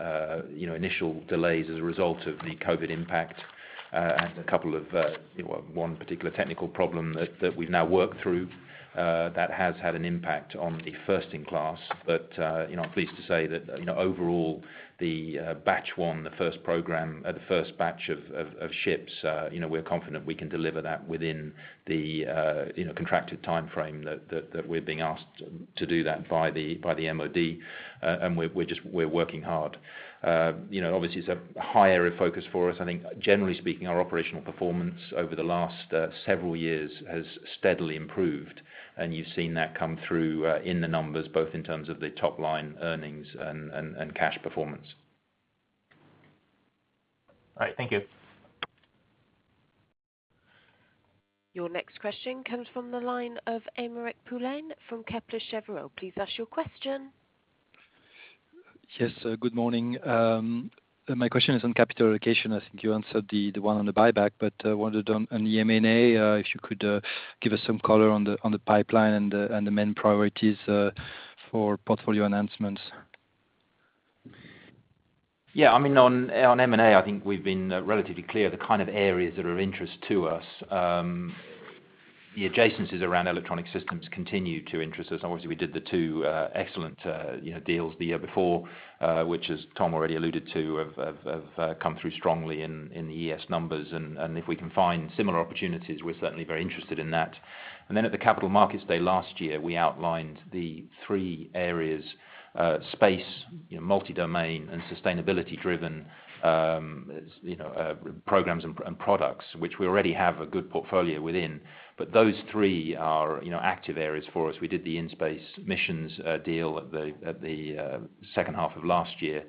Speaker 3: you know, initial delays as a result of the COVID impact, and a couple of, you know, one particular technical problem that we've now worked through, that has had an impact on the first in class. I'm pleased to say that, you know, overall the batch one, the first program, the first batch of ships, you know, we're confident we can deliver that within the, you know, contracted timeframe that we're being asked to do that by the MOD. We're working hard. You know, obviously it's a high area of focus for us. I think generally speaking, our operational performance over the last several years has steadily improved, and you've seen that come through in the numbers, both in terms of the top line earnings and cash performance.
Speaker 7: All right. Thank you.
Speaker 1: Your next question comes from the line of Aymeric Poulain from Kepler Cheuvreux. Please ask your question.
Speaker 8: Yes. Good morning. My question is on capital allocation. I think you answered the one on the buyback, but wondered on the M&A if you could give us some color on the pipeline and the main priorities for portfolio announcements.
Speaker 3: Yeah. I mean, on M&A, I think we've been relatively clear the kind of areas that are of interest to us. The adjacencies around electronic systems continue to interest us. Obviously, we did the two excellent, you know, deals the year before, which, as Tom already alluded to, have come through strongly in the ES numbers. If we can find similar opportunities, we're certainly very interested in that. At the Capital Markets Day last year, we outlined the three areas, space, you know, multi-domain, and sustainability driven programs and products, which we already have a good portfolio within. Those three are, you know, active areas for us. We did the In-Space Missions deal at the second half of last year,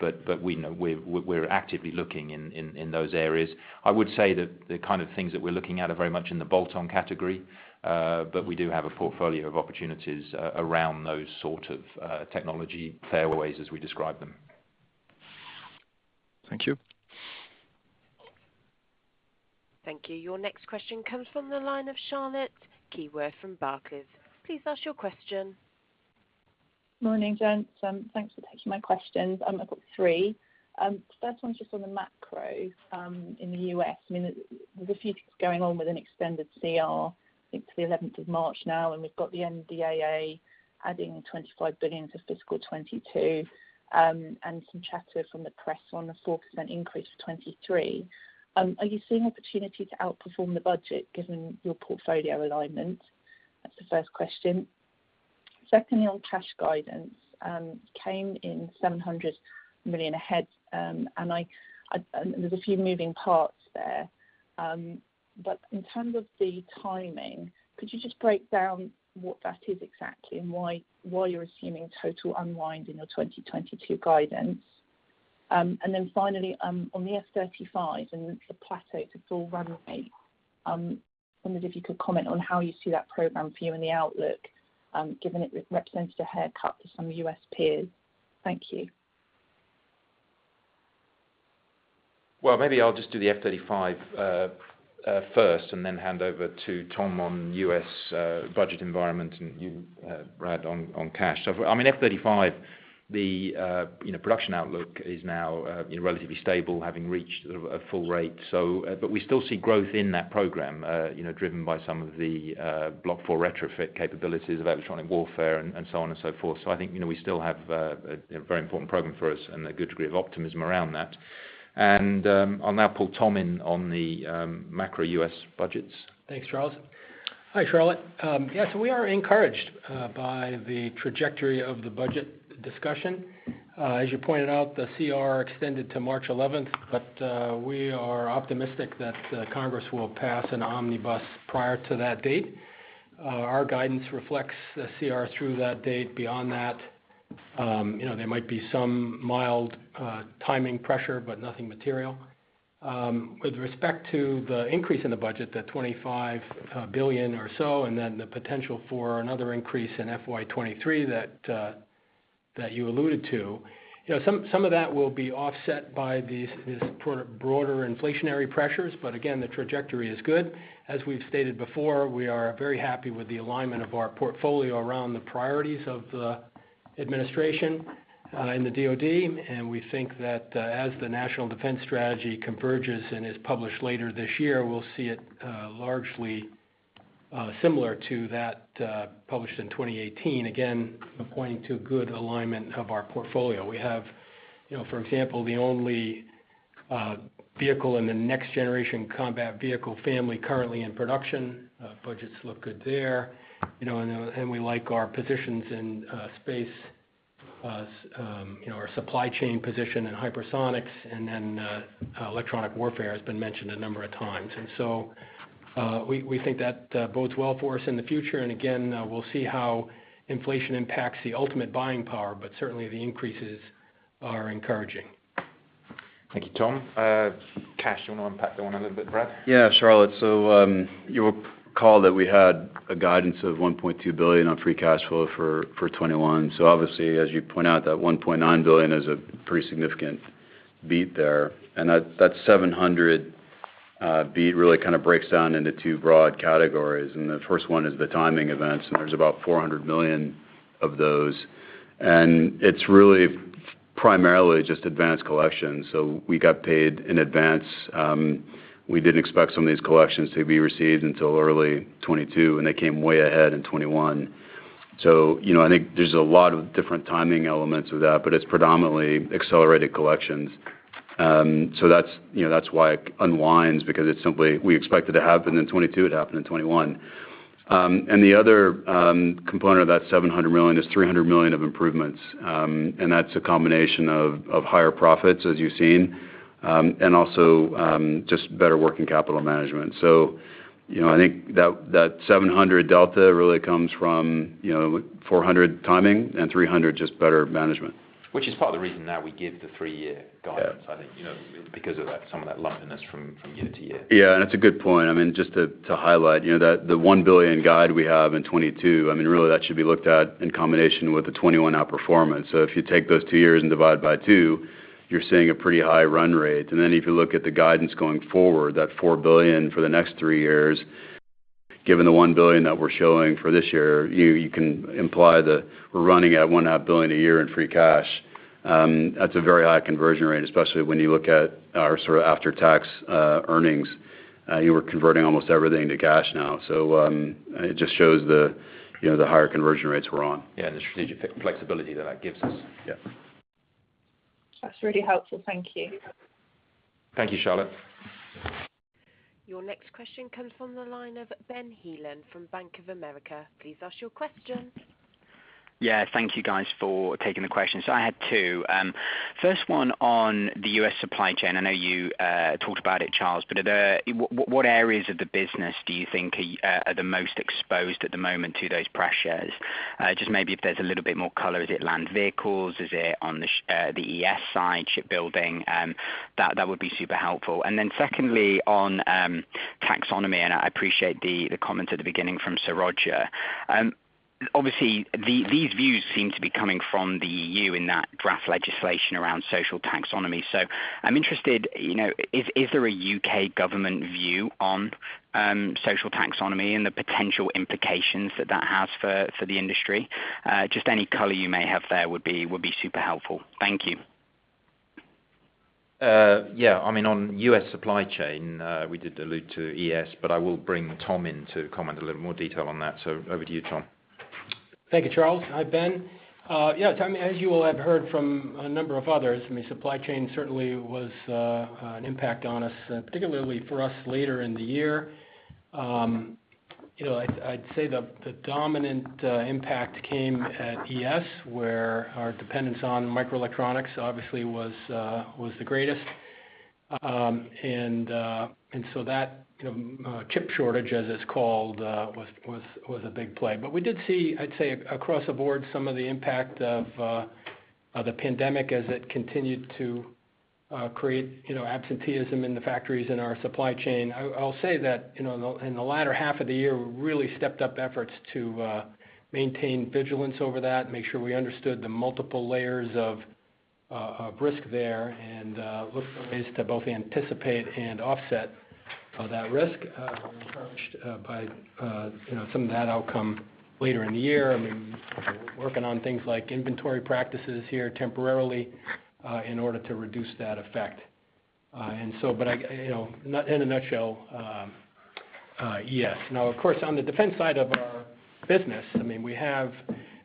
Speaker 3: but we know we're actively looking in those areas. I would say that the kind of things that we're looking at are very much in the bolt-on category, but we do have a portfolio of opportunities around those sort of technology fairways as we describe them.
Speaker 8: Thank you.
Speaker 1: Thank you. Your next question comes from the line of Charlotte Keyworth from Barclays. Please ask your question.
Speaker 9: Morning, gents. Thanks for taking my questions. I've got three. First one's just on the macro, in the U.S. I mean, there's a few things going on with an extended CR, I think to the 11th of March now, and we've got the NDAA adding $25 billion to fiscal 2022, and some chatter from the press on a 4% increase for 2023. Are you seeing opportunity to outperform the budget given your portfolio alignment? That's the first question. Secondly, on cash guidance, came in 700 million ahead, and I— there's a few moving parts there. But in terms of the timing, could you just break down what that is exactly and why you're assuming total unwind in your 2022 guidance? Finally, on the F-35 and the plateau to full runway, I wondered if you could comment on how you see that program for you in the outlook, given it represented a haircut to some of your U.S. peers. Thank you.
Speaker 3: Well, maybe I'll just do the F-35 first and then hand over to Tom on U.S. budget environment and you Brad on cash. I mean, F-35, the production outlook is now you know relatively stable, having reached a full rate. But we still see growth in that program you know driven by some of the Block 4 retrofit capabilities of electronic warfare and so on and so forth. I think you know we still have a very important program for us and a good degree of optimism around that. I'll now pull Tom in on the macro U.S. budgets.
Speaker 7: Thanks, Charles. Hi, Charlotte. Yeah, we are encouraged by the trajectory of the budget discussion. As you pointed out, the CR extended to March 11, but we are optimistic that Congress will pass an omnibus prior to that date. Our guidance reflects the CR through that date. Beyond that, you know, there might be some mild timing pressure, but nothing material. With respect to the increase in the budget, the $25 billion or so, and then the potential for another increase in FY 2023 that you alluded to, you know, some of that will be offset by these broader inflationary pressures, but again, the trajectory is good. As we've stated before, we are very happy with the alignment of our portfolio around the priorities of the administration in the DoD, and we think that as the National Defense Strategy converges and is published later this year, we'll see it largely similar to that published in 2018, again pointing to good alignment of our portfolio. We have, you know, for example, the only vehicle in the Next Generation Combat Vehicle family currently in production. Budgets look good there. You know, and we like our positions in space, you know, our supply chain position in hypersonics, and then electronic warfare has been mentioned a number of times. We think that bodes well for us in the future. Again, we'll see how inflation impacts the ultimate buying power, but certainly the increases are encouraging.
Speaker 3: Thank you, Tom. Cash, do you wanna unpack that one a little bit, Brad?
Speaker 4: Yeah, Charlotte. You'll recall that we had a guidance of 1.2 billion on free cash flow for 2021. Obviously as you point out, that 1.9 billion is a pretty significant beat there. That 700 million beat really kind of breaks down into two broad categories. The first one is the timing events, and there's about 400 million of those. It's really primarily just advanced collections. We got paid in advance. We didn't expect some of these collections to be received until early 2022, and they came way ahead in 2021. You know, I think there's a lot of different timing elements of that, but it's predominantly accelerated collections. You know, that's why it unwinds because it's simply we expect it to happen in 2022, it happened in 2021. The other component of that 700 million is 300 million of improvements. That's a combination of higher profits, as you've seen, and also just better working capital management. You know, I think that 700 delta really comes from, you know, 400 timing and 300 just better management.
Speaker 3: Which is part of the reason that we give the three-year guidance.
Speaker 4: Yeah.
Speaker 3: I think, you know, because of that, some of that lumpiness from year to year.
Speaker 4: It's a good point. I mean, just to highlight, you know, that the 1 billion guide we have in 2022, I mean, really that should be looked at in combination with the 2021 outperformance. If you take those two years and divide by two, you're seeing a pretty high run rate. Then if you look at the guidance going forward, that 4 billion for the next three years, given the 1 billion that we're showing for this year, you can imply that we're running at one half billion a year in free cash. That's a very high conversion rate, especially when you look at our sort of after-tax earnings. You were converting almost everything to cash now. It just shows the, you know, the higher conversion rates we're on.
Speaker 3: Yeah, the strategic flexibility that that gives us.
Speaker 4: Yeah.
Speaker 6: That's really helpful. Thank you.
Speaker 3: Thank you, Charlotte.
Speaker 1: Your next question comes from the line of Ben Heelan from Bank of America. Please ask your question.
Speaker 10: Thank you guys for taking the question. So I had two. First one on the U.S. supply chain. I know you talked about it, Charles, but are there what areas of the business do you think are the most exposed at the moment to those pressures? Just maybe if there's a little bit more color. Is it land vehicles? Is it on the ES side, shipbuilding? That would be super helpful. And then secondly, on taxonomy, and I appreciate the comment at the beginning from Sir Roger Carr. Obviously, these views seem to be coming from the EU in that draft legislation around Social Taxonomy. So I'm interested, you know, is there a U.K. government view on social taxonomy and the potential implications that has for the industry? Just any color you may have there would be super helpful. Thank you.
Speaker 3: I mean, on U.S. supply chain, we did allude to ES, but I will bring Tom in to comment a little more detail on that. Over to you, Tom.
Speaker 7: Thank you, Charles. Hi, Ben. Yeah, Tom, as you will have heard from a number of others, I mean, supply chain certainly was an impact on us, particularly for us later in the year. You know, I'd say the dominant impact came at ES, where our dependence on microelectronics obviously was the greatest. So that, you know, chip shortage, as it's called, was a big play. We did see, I'd say across the board, some of the impact of the pandemic as it continued to create, you know, absenteeism in the factories in our supply chain. I'll say that, you know, in the latter half of the year, we really stepped up efforts to maintain vigilance over that, make sure we understood the multiple layers of risk there, and look for ways to both anticipate and offset that risk, encouraged by, you know, some of that outcome later in the year. I mean, we're working on things like inventory practices here temporarily in order to reduce that effect. You know, in a nutshell, ES. Now, of course, on the defense side of our business, I mean, we have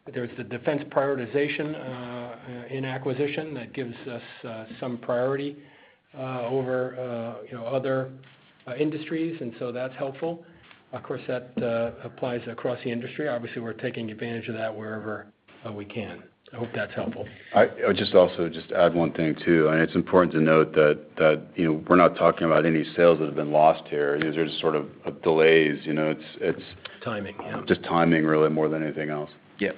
Speaker 7: the defense prioritization in acquisition that gives us some priority over, you know, other industries, and that's helpful. Of course, that applies across the industry. Obviously, we're taking advantage of that wherever we can. I hope that's helpful.
Speaker 4: I would just also just add one thing, too. I mean, it's important to note that you know, we're not talking about any sales that have been lost here. These are just sort of delays, you know.
Speaker 7: Timing, yeah.
Speaker 4: Just timing really more than anything else.
Speaker 7: Yeah.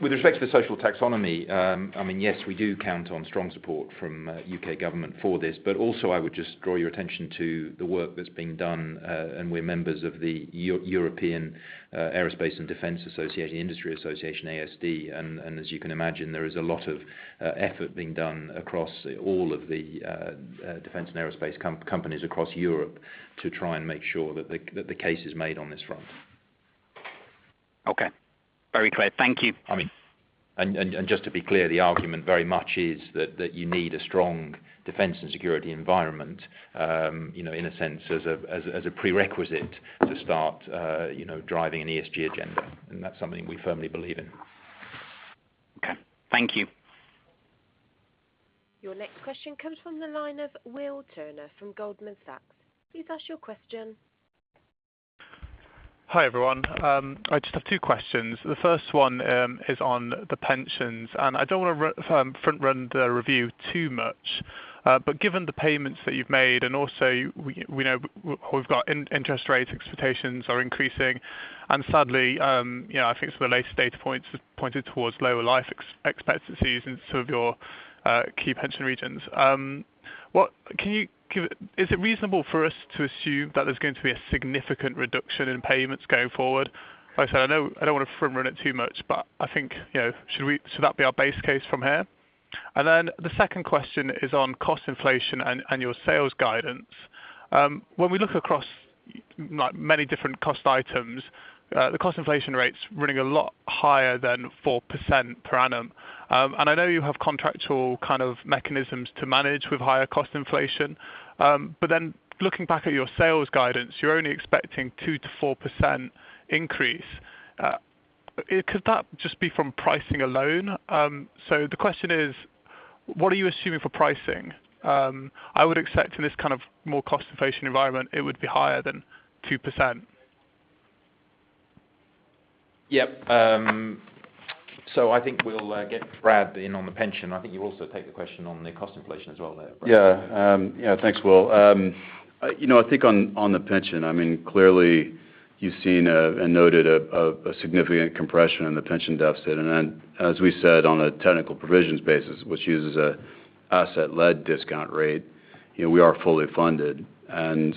Speaker 3: With respect to the Social Taxonomy, I mean, yes, we do count on strong support from U.K. government for this. Also I would just draw your attention to the work that's being done. We're members of the European Aerospace and Defense Industries Association, ASD. As you can imagine, there is a lot of effort being done across all of the defense and aerospace companies across Europe to try and make sure that the case is made on this front.
Speaker 10: Okay. Very clear. Thank you.
Speaker 3: I mean, just to be clear, the argument very much is that you need a strong defense and security environment, you know, in a sense, as a prerequisite to start, you know, driving an ESG agenda. That's something we firmly believe in.
Speaker 10: Okay. Thank you.
Speaker 1: Your next question comes from the line of Will Turner from Goldman Sachs. Please ask your question.
Speaker 11: Hi, everyone. I just have two questions. The first one is on the pensions. I don't want to front run the review too much. But given the payments that you've made, and also we know we've got interest rate expectations are increasing, and sadly, you know, I think some of the latest data points has pointed towards lower life expectancies in some of your key pension regions. Can you give. Is it reasonable for us to assume that there's going to be a significant reduction in payments going forward? Like I said, I know I don't want to front run it too much, but I think, you know, should that be our base case from here? Then the second question is on cost inflation and your sales guidance. When we look across, like many different cost items, the cost inflation rate's running a lot higher than 4% per annum. I know you have contractual kind of mechanisms to manage with higher cost inflation, but then looking back at your sales guidance, you're only expecting 2%-4% increase. Could that just be from pricing alone? The question is, what are you assuming for pricing? I would expect in this kind of more cost inflation environment, it would be higher than 2%.
Speaker 3: Yep. I think we'll get Brad in on the pension. I think you also take the question on the cost inflation as well there.
Speaker 4: Yeah. Yeah, thanks, Will. You know, I think on the pension, I mean, clearly you've seen and noted a significant compression in the pension deficit. Then as we said on a technical provisions basis, which uses an asset-led discount rate, you know, we are fully funded.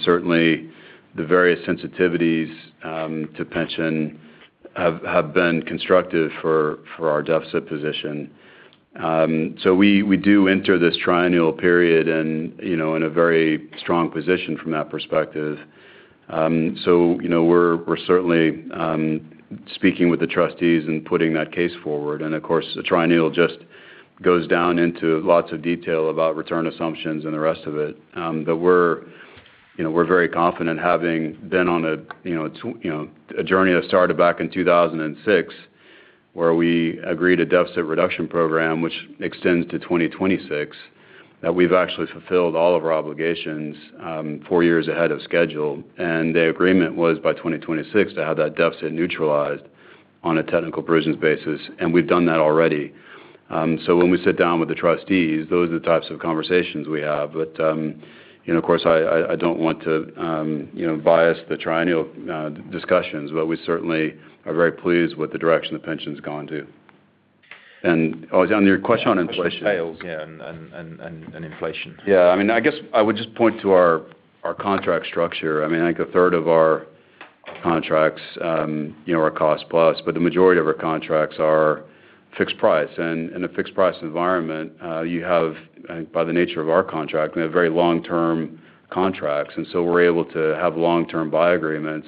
Speaker 4: Certainly the various sensitivities to pension have been constructive for our deficit position. So we do enter this triennial period and, you know, in a very strong position from that perspective. So, you know, we're certainly speaking with the trustees and putting that case forward, and of course, the triennial just goes down into lots of detail about return assumptions and the rest of it. We're, you know, we're very confident having been on a, you know, a journey that started back in 2006 where we agreed to deficit reduction program, which extends to 2026, that we've actually fulfilled all of our obligations, four years ahead of schedule. The agreement was by 2026 to have that deficit neutralized on a technical provisions basis. We've done that already. So when we sit down with the trustees, those are the types of conversations we have. But, you know, of course, I don't want to, you know, bias the triennial discussions, but we certainly are very pleased with the direction the pension's gone to. Oh, on your question on inflation-
Speaker 3: Sales, yeah, and inflation.
Speaker 4: Yeah. I mean, I guess I would just point to our contract structure. I mean, I think a third of our contracts, you know, are cost plus, but the majority of our contracts are fixed price. In a fixed price environment, you have, by the nature of our contract, we have very long-term contracts, and so we're able to have long-term buy agreements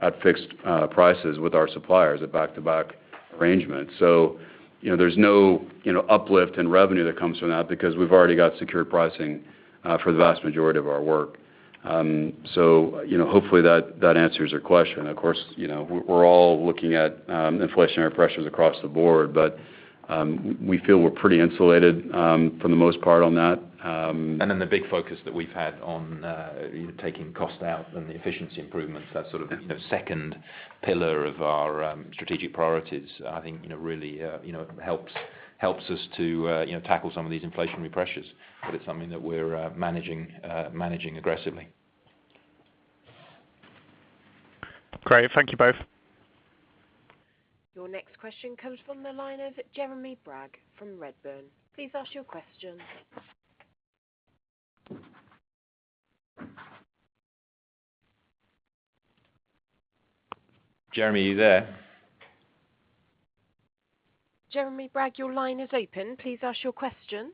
Speaker 4: at fixed prices with our suppliers at back-to-back arrangements. You know, there's no, you know, uplift in revenue that comes from that because we've already got secure pricing for the vast majority of our work. So, you know, hopefully that answers your question. Of course, you know, we're all looking at inflationary pressures across the board, but we feel we're pretty insulated for the most part on that.
Speaker 3: The big focus that we've had on taking cost out and the efficiency improvements, that sort of second pillar of our strategic priorities, I think, you know, really, you know, helps us to, you know, tackle some of these inflationary pressures. It's something that we're managing aggressively.
Speaker 11: Great. Thank you both.
Speaker 1: Your next question comes from the line of Jeremy Bragg from Redburn. Please ask your question.
Speaker 3: Jeremy, are you there?
Speaker 1: Jeremy Bragg, your line is open. Please ask your question.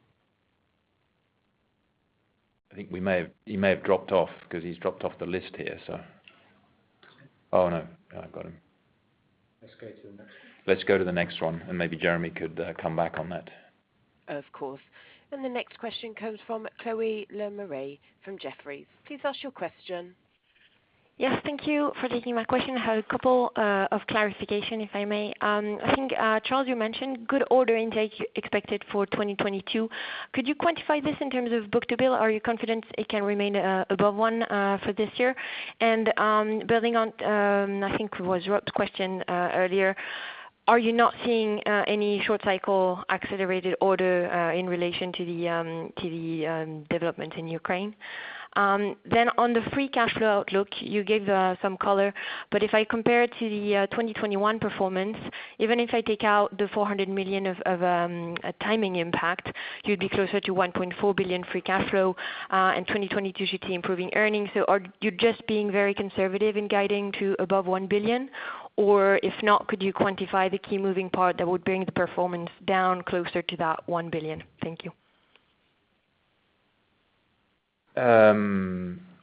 Speaker 3: He may have dropped off because he's dropped off the list here. Oh, no, I've got him.
Speaker 4: Let's go to the next one.
Speaker 3: Let's go to the next one, and maybe Jeremy could come back on that.
Speaker 1: Of course. The next question comes from Chloé Lemarié from Jefferies. Please ask your question.
Speaker 12: Yes, thank you for taking my question. I have a couple of clarification, if I may. I think, Charles, you mentioned good order intake expected for 2022. Could you quantify this in terms of book-to-bill? Are you confident it can remain above one for this year? Building on, I think it was Rob's question earlier, are you not seeing any short-cycle accelerated order in relation to the development in Ukraine? On the free cash flow outlook, you gave some color, but if I compare it to the 2021 performance, even if I take out the 400 million of a timing impact, you'd be closer to 1.4 billion free cash flow. 2022 should see improving earnings. Are you just being very conservative in guiding to above 1 billion? Or if not, could you quantify the key moving part that would bring the performance down closer to that 1 billion? Thank you.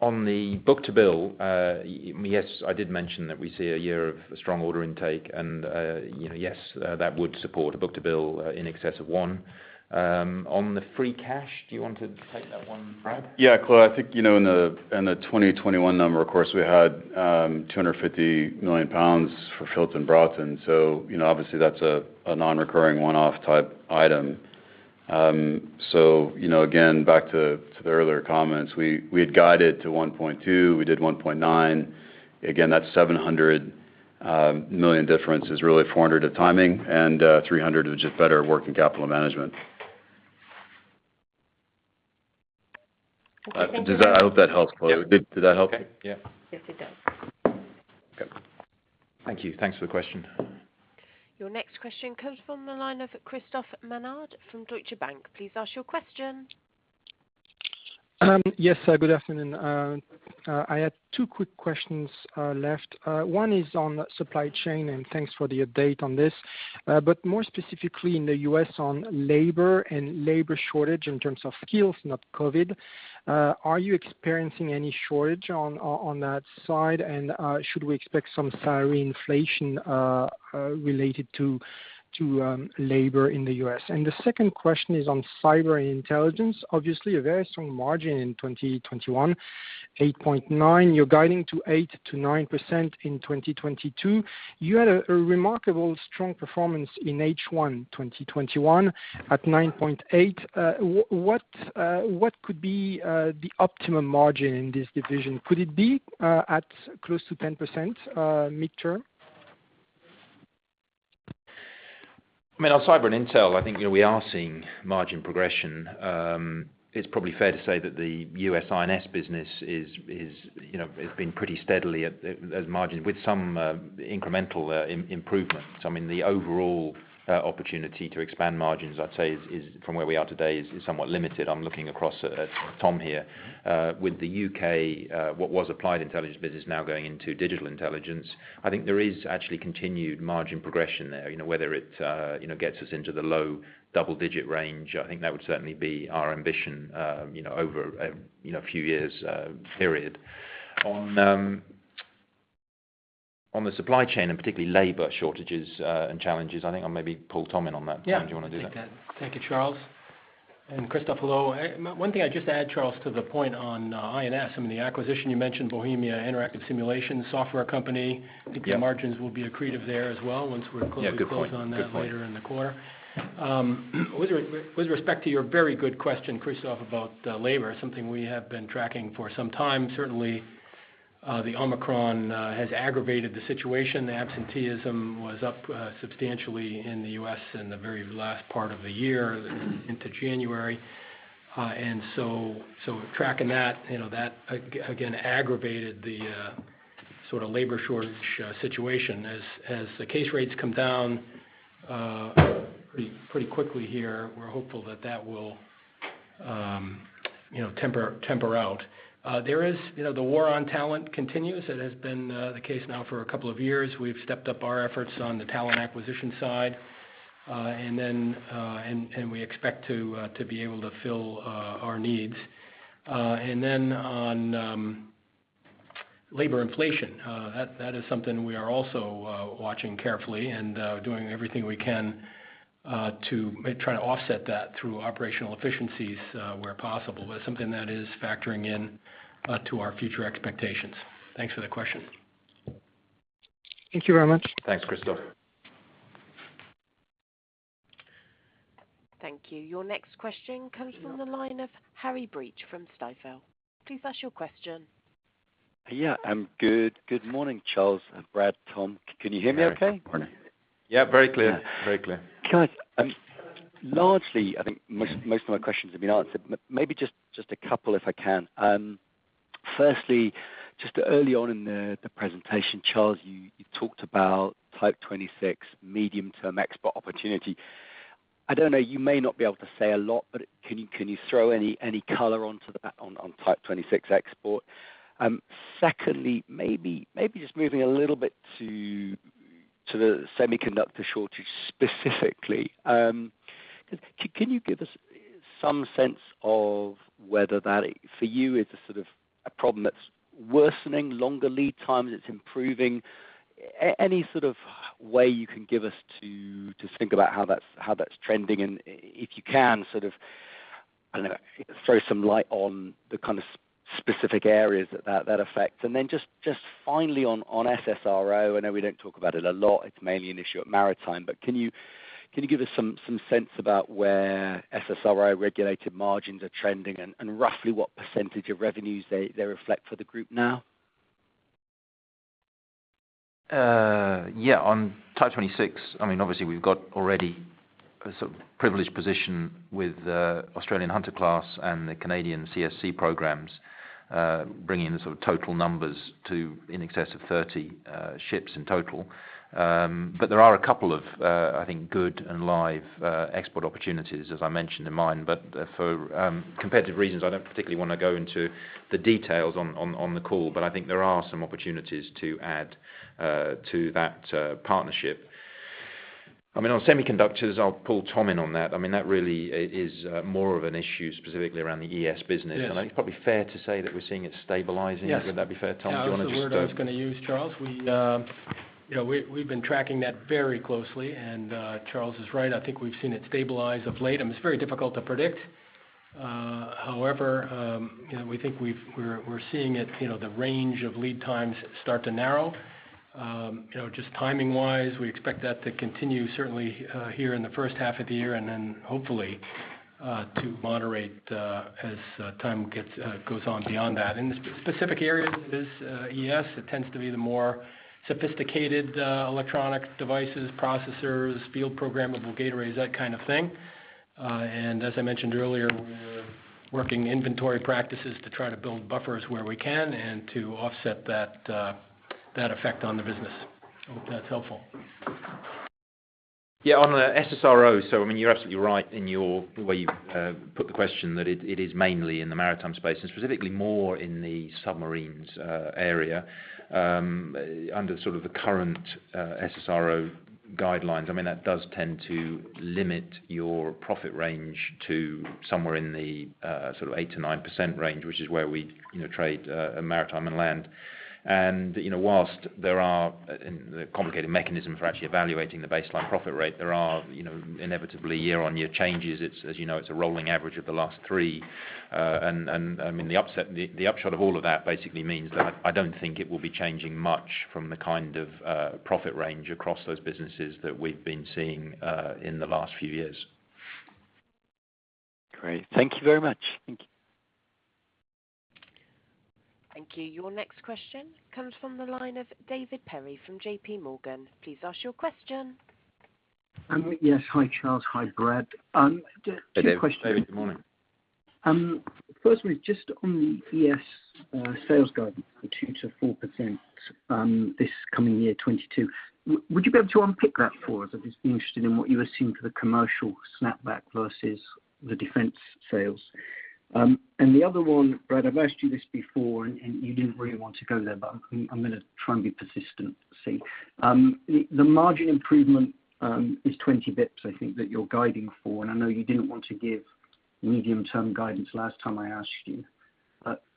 Speaker 3: On the book-to-bill, yes, I did mention that we see a year of strong order intake and, you know, yes, that would support a book-to-bill in excess of one. On the free cash, do you want to take that one, Brad?
Speaker 4: Chloe, I think you know, in the 2021 number, of course, we had 250 million pounds for Filton, Broughton. You know, obviously that's a non-recurring one-off type item. You know, again, back to the earlier comments, we had guided to 1.2, we did 1.9. Again, that 700 million difference is really 400 million at timing and 300 million is just better working capital management.
Speaker 12: Okay, thank you.
Speaker 4: I hope that helps, Chloé. Did that help?
Speaker 3: Okay. Yeah.
Speaker 12: Yes, it does.
Speaker 3: Okay. Thank you. Thanks for the question.
Speaker 1: Your next question comes from the line of Christophe Menard from Deutsche Bank. Please ask your question.
Speaker 13: Yes. Good afternoon. I had two quick questions left. One is on supply chain, and thanks for the update on this. But more specifically in the US on labor and labor shortage in terms of skills, not COVID. Are you experiencing any shortage on that side? Should we expect some salary inflation related to labor in the U.S.? The second question is on cyber intelligence. Obviously, a very strong margin in 2021, 8.9%. You're guiding to 8%-9% in 2022. You had a remarkably strong performance in H1 2021 at 9.8%. What could be the optimum margin in this division? Could it be at close to 10% mid-term?
Speaker 3: I mean, on cyber and intel, I think, you know, we are seeing margin progression. It's probably fair to say that the U.S. I&S business is, you know, has been pretty steadily at 8% margins with some incremental improvements. I mean, the overall opportunity to expand margins, I'd say is from where we are today is somewhat limited. I'm looking across at Tom here. With the U.K., what was Applied Intelligence business now going into Digital Intelligence, I think there is actually continued margin progression there. You know, whether it, you know, gets us into the low double-digit range, I think that would certainly be our ambition, you know, over, you know, a few years period. On the supply chain and particularly labor shortages and challenges, I think I'll maybe pull Tom in on that.
Speaker 7: Yeah.
Speaker 3: Tom, do you wanna do that?
Speaker 7: Thank you, Charles. Christophe, hello. One thing I'd just add, Charles, to the point on I&S, I mean, the acquisition, you mentioned Bohemia Interactive Simulations software company.
Speaker 3: Yeah.
Speaker 7: I think the margins will be accretive there as well once we're.
Speaker 3: Yeah, good point. Good point....
Speaker 7: closely closed on that later in the quarter. With respect to your very good question, Christophe, about labor, something we have been tracking for some time, certainly, the Omicron has aggravated the situation. The absenteeism was up substantially in the U.S. in the very last part of the year into January. Tracking that, you know, that again aggravated the sort of labor shortage situation. As the case rates come down pretty quickly here, we're hopeful that that will temper out. There is, you know, the war on talent continues. It has been the case now for a couple of years. We've stepped up our efforts on the talent acquisition side, and we expect to be able to fill our needs. On labor inflation, that is something we are also watching carefully and doing everything we can to try to offset that through operational efficiencies, where possible. Something that is factoring in to our future expectations. Thanks for the question.
Speaker 13: Thank you very much.
Speaker 3: Thanks, Christophe.
Speaker 1: Thank you. Your next question comes from the line of Harry Breach from Stifel. Please ask your question.
Speaker 14: Yeah. Good morning, Charles and Brad, Tom. Can you hear me okay?
Speaker 3: Yeah. Very clear. Very clear.
Speaker 14: Good. Largely, I think most of my questions have been answered, maybe just a couple if I can. Firstly, just early on in the presentation, Charles, you talked about Type 26 medium-term export opportunity. I don't know, you may not be able to say a lot, but can you throw any color onto that on Type 26 export? Secondly, maybe just moving a little bit to the semiconductor shortage specifically. Can you give us some sense of whether that, for you, it's a sort of a problem that's worsening longer lead times, it's improving? Any sort of way you can give us to think about how that's trending? If you can, sort of, I don't know, throw some light on the kind of specific areas that affects. Just finally on SSRO, I know we don't talk about it a lot, it's mainly an issue at Maritime, but can you give us some sense about where SSRO regulated margins are trending and roughly what percentage of revenues they reflect for the group now?
Speaker 3: Yeah. On Type 26, I mean, obviously we've got already a sort of privileged position with Australian Hunter class and the Canadian CSC programs, bringing the sort of total numbers to in excess of 30 ships in total. There are a couple of, I think, good and live export opportunities, as I mentioned in mine. For competitive reasons, I don't particularly wanna go into the details on the call, but I think there are some opportunities to add to that partnership. I mean, on semiconductors, I'll pull Tom in on that. I mean, that really is more of an issue specifically around the ES business.
Speaker 7: Yes.
Speaker 3: It's probably fair to say that we're seeing it stabilizing.
Speaker 7: Yes.
Speaker 3: Would that be fair, Tom? Do you wanna just,
Speaker 7: That was the word I was gonna use, Charles. We, you know, we've been tracking that very closely, and Charles is right. I think we've seen it stabilize of late. It's very difficult to predict. However, you know, we're seeing it, you know, the range of lead times start to narrow. You know, just timing-wise, we expect that to continue certainly here in the first half of the year, and then hopefully to moderate as time goes on beyond that. In the specific areas of this ES, it tends to be the more sophisticated electronic devices, processors, field programmable gate arrays, that kind of thing. And as I mentioned earlier, we're working inventory practices to try to build buffers where we can and to offset that effect on the business. I hope that's helpful.
Speaker 3: Yeah, on the SSRO. I mean, you're absolutely right in the way you put the question that it is mainly in the maritime space and specifically more in the submarines area. Under the sort of current SSRO guidelines, I mean, that does tend to limit your profit range to somewhere in the sort of 8%-9% range, which is where we, you know, trade maritime and land. You know, whilst there are, you know, complicated mechanisms for actually evaluating the baseline profit rate, there are, you know, inevitably year-on-year changes. It's, as you know, a rolling average of the last three. I mean, the upshot of all of that basically means that I don't think it will be changing much from the kind of profit range across those businesses that we've been seeing in the last few years.
Speaker 2: Great. Thank you very much. Thank you.
Speaker 1: Thank you. Your next question comes from the line of David Perry from J.P. Morgan. Please ask your question.
Speaker 15: Yes. Hi, Charles. Hi, Brad. Two questions.
Speaker 3: Hi, David. Good morning.
Speaker 15: Firstly, just on the ES, sales guidance for 2%-4%, this coming year 2022, would you be able to unpick that for us? I'd just be interested in what you are seeing for the commercial snapback versus the defense sales. And the other one, Brad, I've asked you this before and you didn't really want to go there, but I'm gonna try and be persistent. The margin improvement is 20 basis points, I think that you're guiding for, and I know you didn't want to give medium-term guidance last time I asked you.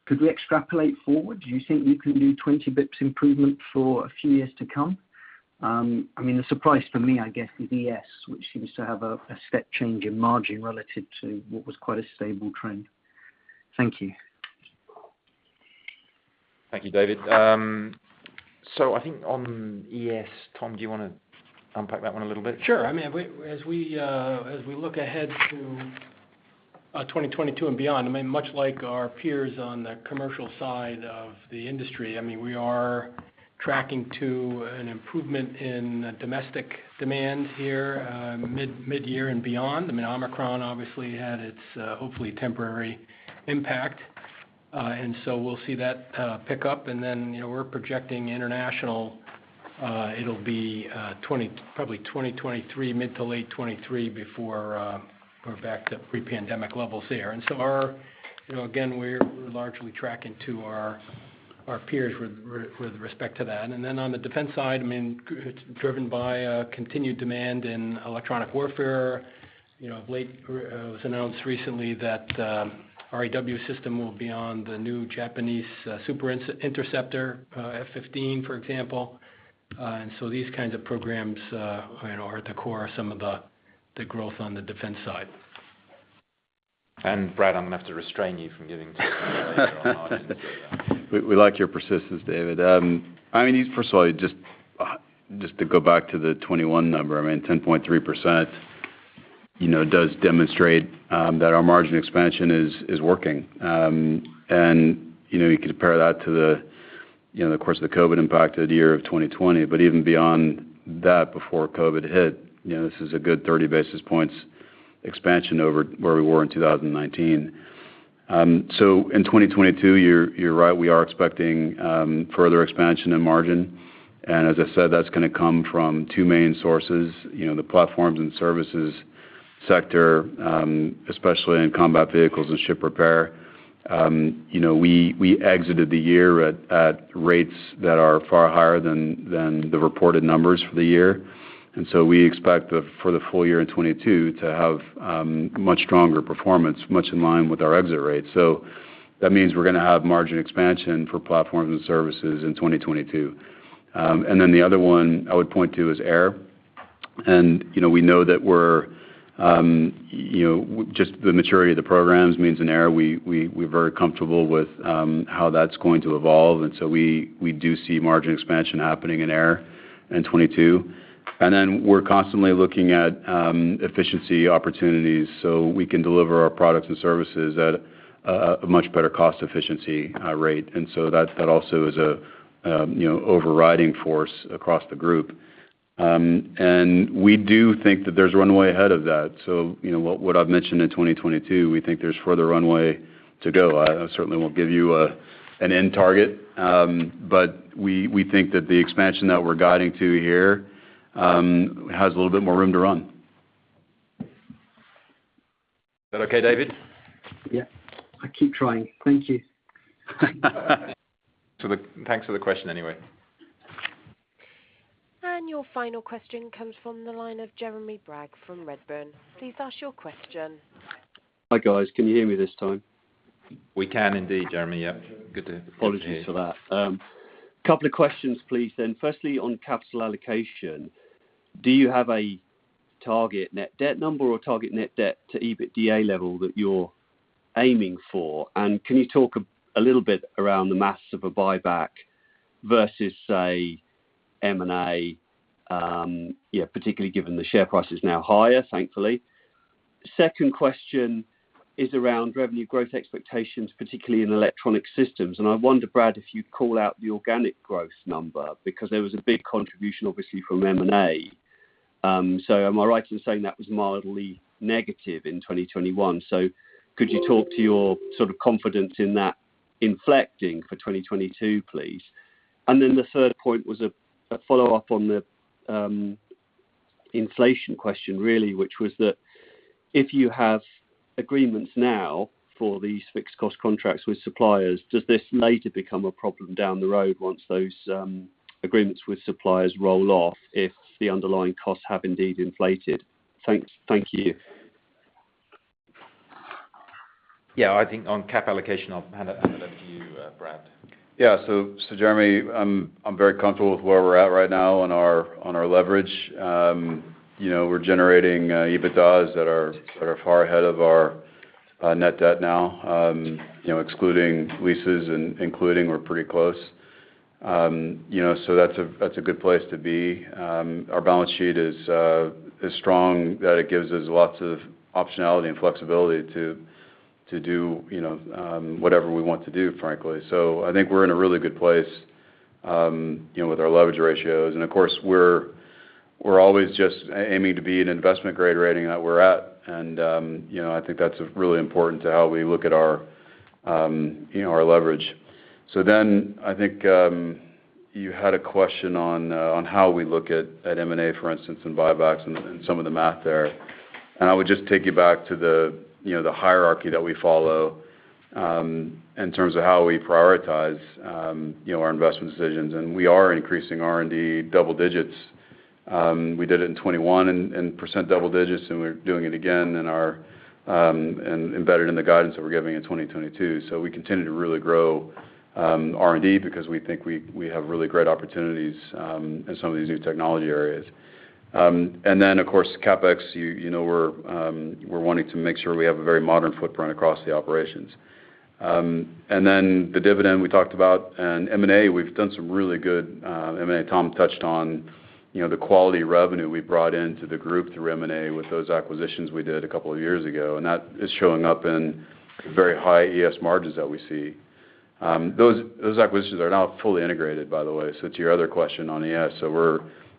Speaker 15: Could we extrapolate forward? Do you think you can do 20 basis points improvement for a few years to come? I mean, the surprise for me, I guess, is ES, which seems to have a step change in margin relative to what was quite a stable trend. Thank you.
Speaker 3: Thank you, David. I think on ES, Tom, do you wanna unpack that one a little bit?
Speaker 7: Sure. I mean, as we look ahead to 2022 and beyond, I mean, much like our peers on the commercial side of the industry, I mean, we are tracking to an improvement in domestic demand here, mid-year and beyond. I mean, Omicron obviously had its hopefully temporary impact. We'll see that pick up. You know, we're projecting international, it'll be probably 2023, mid to late 2023 before we're back to pre-pandemic levels here. You know, again, we're largely tracking to our peers with respect to that. On the defense side, I mean, it's driven by continued demand in electronic warfare. You know, of late, it was announced recently that our EW system will be on the new Japanese F-15 Super Interceptor, for example. These kinds of programs you know are at the core of some of the growth on the defense side.
Speaker 3: Brad, I'm gonna have to restrain you from giving too much detail on margins here.
Speaker 4: We like your persistence, David. I mean, first of all, just to go back to the 2021 number, I mean, 10.3% does demonstrate that our margin expansion is working. You know, you compare that to the COVID impacted year of 2020. Even beyond that, before COVID hit, you know, this is a good 30 basis points expansion over where we were in 2019. In 2022, you're right, we are expecting further expansion in margin. As I said, that's gonna come from two main sources. You know, the Platforms & Services sector, especially in combat vehicles and ship repair. You know, we exited the year at rates that are far higher than the reported numbers for the year. We expect for the full year in 2022 to have much stronger performance, much in line with our exit rates. That means we're gonna have margin expansion for Platforms & Services in 2022. The other one I would point to is Air. You know, we know that just the maturity of the programs means in Air, we're very comfortable with how that's going to evolve. We do see margin expansion happening in Air in 2022. We're constantly looking at efficiency opportunities, so we can deliver our products and services at a much better cost efficiency rate. That also is a you know, overriding force across the group. We do think that there's runway ahead of that. You know, what I've mentioned in 2022, we think there's further runway to go. I certainly won't give you an end target. But we think that the expansion that we're guiding to here has a little bit more room to run.
Speaker 3: Is that okay, David?
Speaker 16: Yeah. I'll keep trying. Thank you.
Speaker 3: Thanks for the question, anyway.
Speaker 1: Your final question comes from the line of Jeremy Bragg from Redburn. Please ask your question.
Speaker 17: Hi, guys. Can you hear me this time?
Speaker 3: We can indeed, Jeremy. Yeah. Good to hear you.
Speaker 17: Apologies for that. A couple of questions, please then. Firstly, on capital allocation, do you have a target net debt number or target net debt to EBITDA level that you're aiming for? Can you talk a little bit around the math of a buyback versus, say, M&A? Yeah, particularly given the share price is now higher, thankfully. Second question is around revenue growth expectations, particularly in electronic systems. I wonder, Brad, if you'd call out the organic growth number because there was a big contribution obviously from M&A. So am I right in saying that was mildly negative in 2021? Could you talk to your sort of confidence in that inflecting for 2022, please. The third point was a follow-up on the inflation question really, which was that if you have agreements now for these fixed cost contracts with suppliers, does this later become a problem down the road once those agreements with suppliers roll off if the underlying costs have indeed inflated? Thanks. Thank you.
Speaker 3: Yeah. I think on CapEx allocation, I'll hand it over to you, Brad.
Speaker 4: Yeah. Jeremy, I'm very comfortable with where we're at right now on our leverage. You know, we're generating EBITDAs that are far ahead of our net debt now. You know, excluding leases and including, we're pretty close. You know, that's a good place to be. Our balance sheet is so strong that it gives us lots of optionality and flexibility to do, you know, whatever we want to do, frankly. I think we're in a really good place, you know, with our leverage ratios. Of course, we're always just aiming to be an investment-grade rating that we're at. You know, I think that's really important to how we look at our leverage. I think you had a question on how we look at M&A, for instance, and buybacks and some of the math there. I would just take you back to the hierarchy that we follow in terms of how we prioritize our investment decisions. We are increasing R&D double digits. We did it in 2021 and double-digit percent, and we're doing it again in 2022 and embedded in the guidance that we're giving. We continue to really grow R&D because we think we have really great opportunities in some of these new technology areas. Then of course, CapEx, you know, we're wanting to make sure we have a very modern footprint across the operations. The dividend we talked about and M&A, we've done some really good M&A. Tom touched on, you know, the quality revenue we brought into the group through M&A with those acquisitions we did a couple of years ago, and that is showing up in very high ES margins that we see. Those acquisitions are now fully integrated, by the way. To your other question on ES, we're,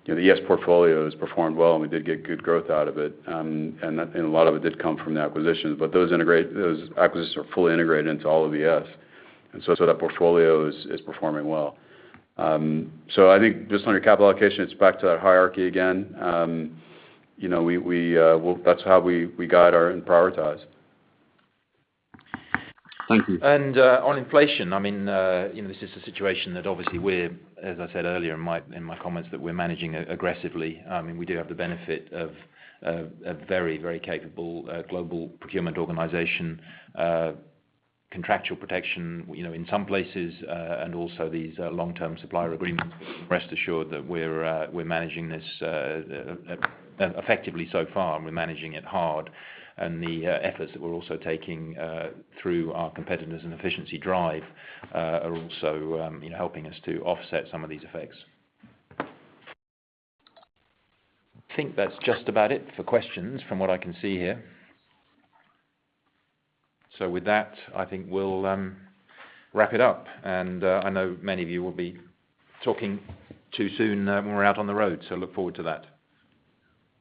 Speaker 4: you know, the ES portfolio has performed well, and we did get good growth out of it. A lot of it did come from the acquisitions. Those acquisitions are fully integrated into all of ES. That portfolio is performing well. I think just on your capital allocation, it's back to that hierarchy again. You know, that's how we guide our and prioritize.
Speaker 17: Thank you.
Speaker 3: On inflation, I mean, you know, this is a situation that obviously we're, as I said earlier in my comments, that we're managing aggressively. I mean, we do have the benefit of a very, very capable global procurement organization, contractual protection, you know, in some places, and also these long-term supplier agreements. Rest assured that we're managing this effectively so far, and we're managing it hard. The efforts that we're also taking through our competitiveness and efficiency drive are also, you know, helping us to offset some of these effects. I think that's just about it for questions from what I can see here. With that, I think we'll wrap it up. I know many of you will be talking to us soon, when we're out on the road, so look forward to that.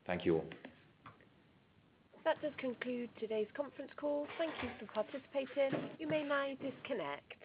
Speaker 3: Thank you all.
Speaker 1: That does conclude today's conference call. Thank you for participating. You may now disconnect.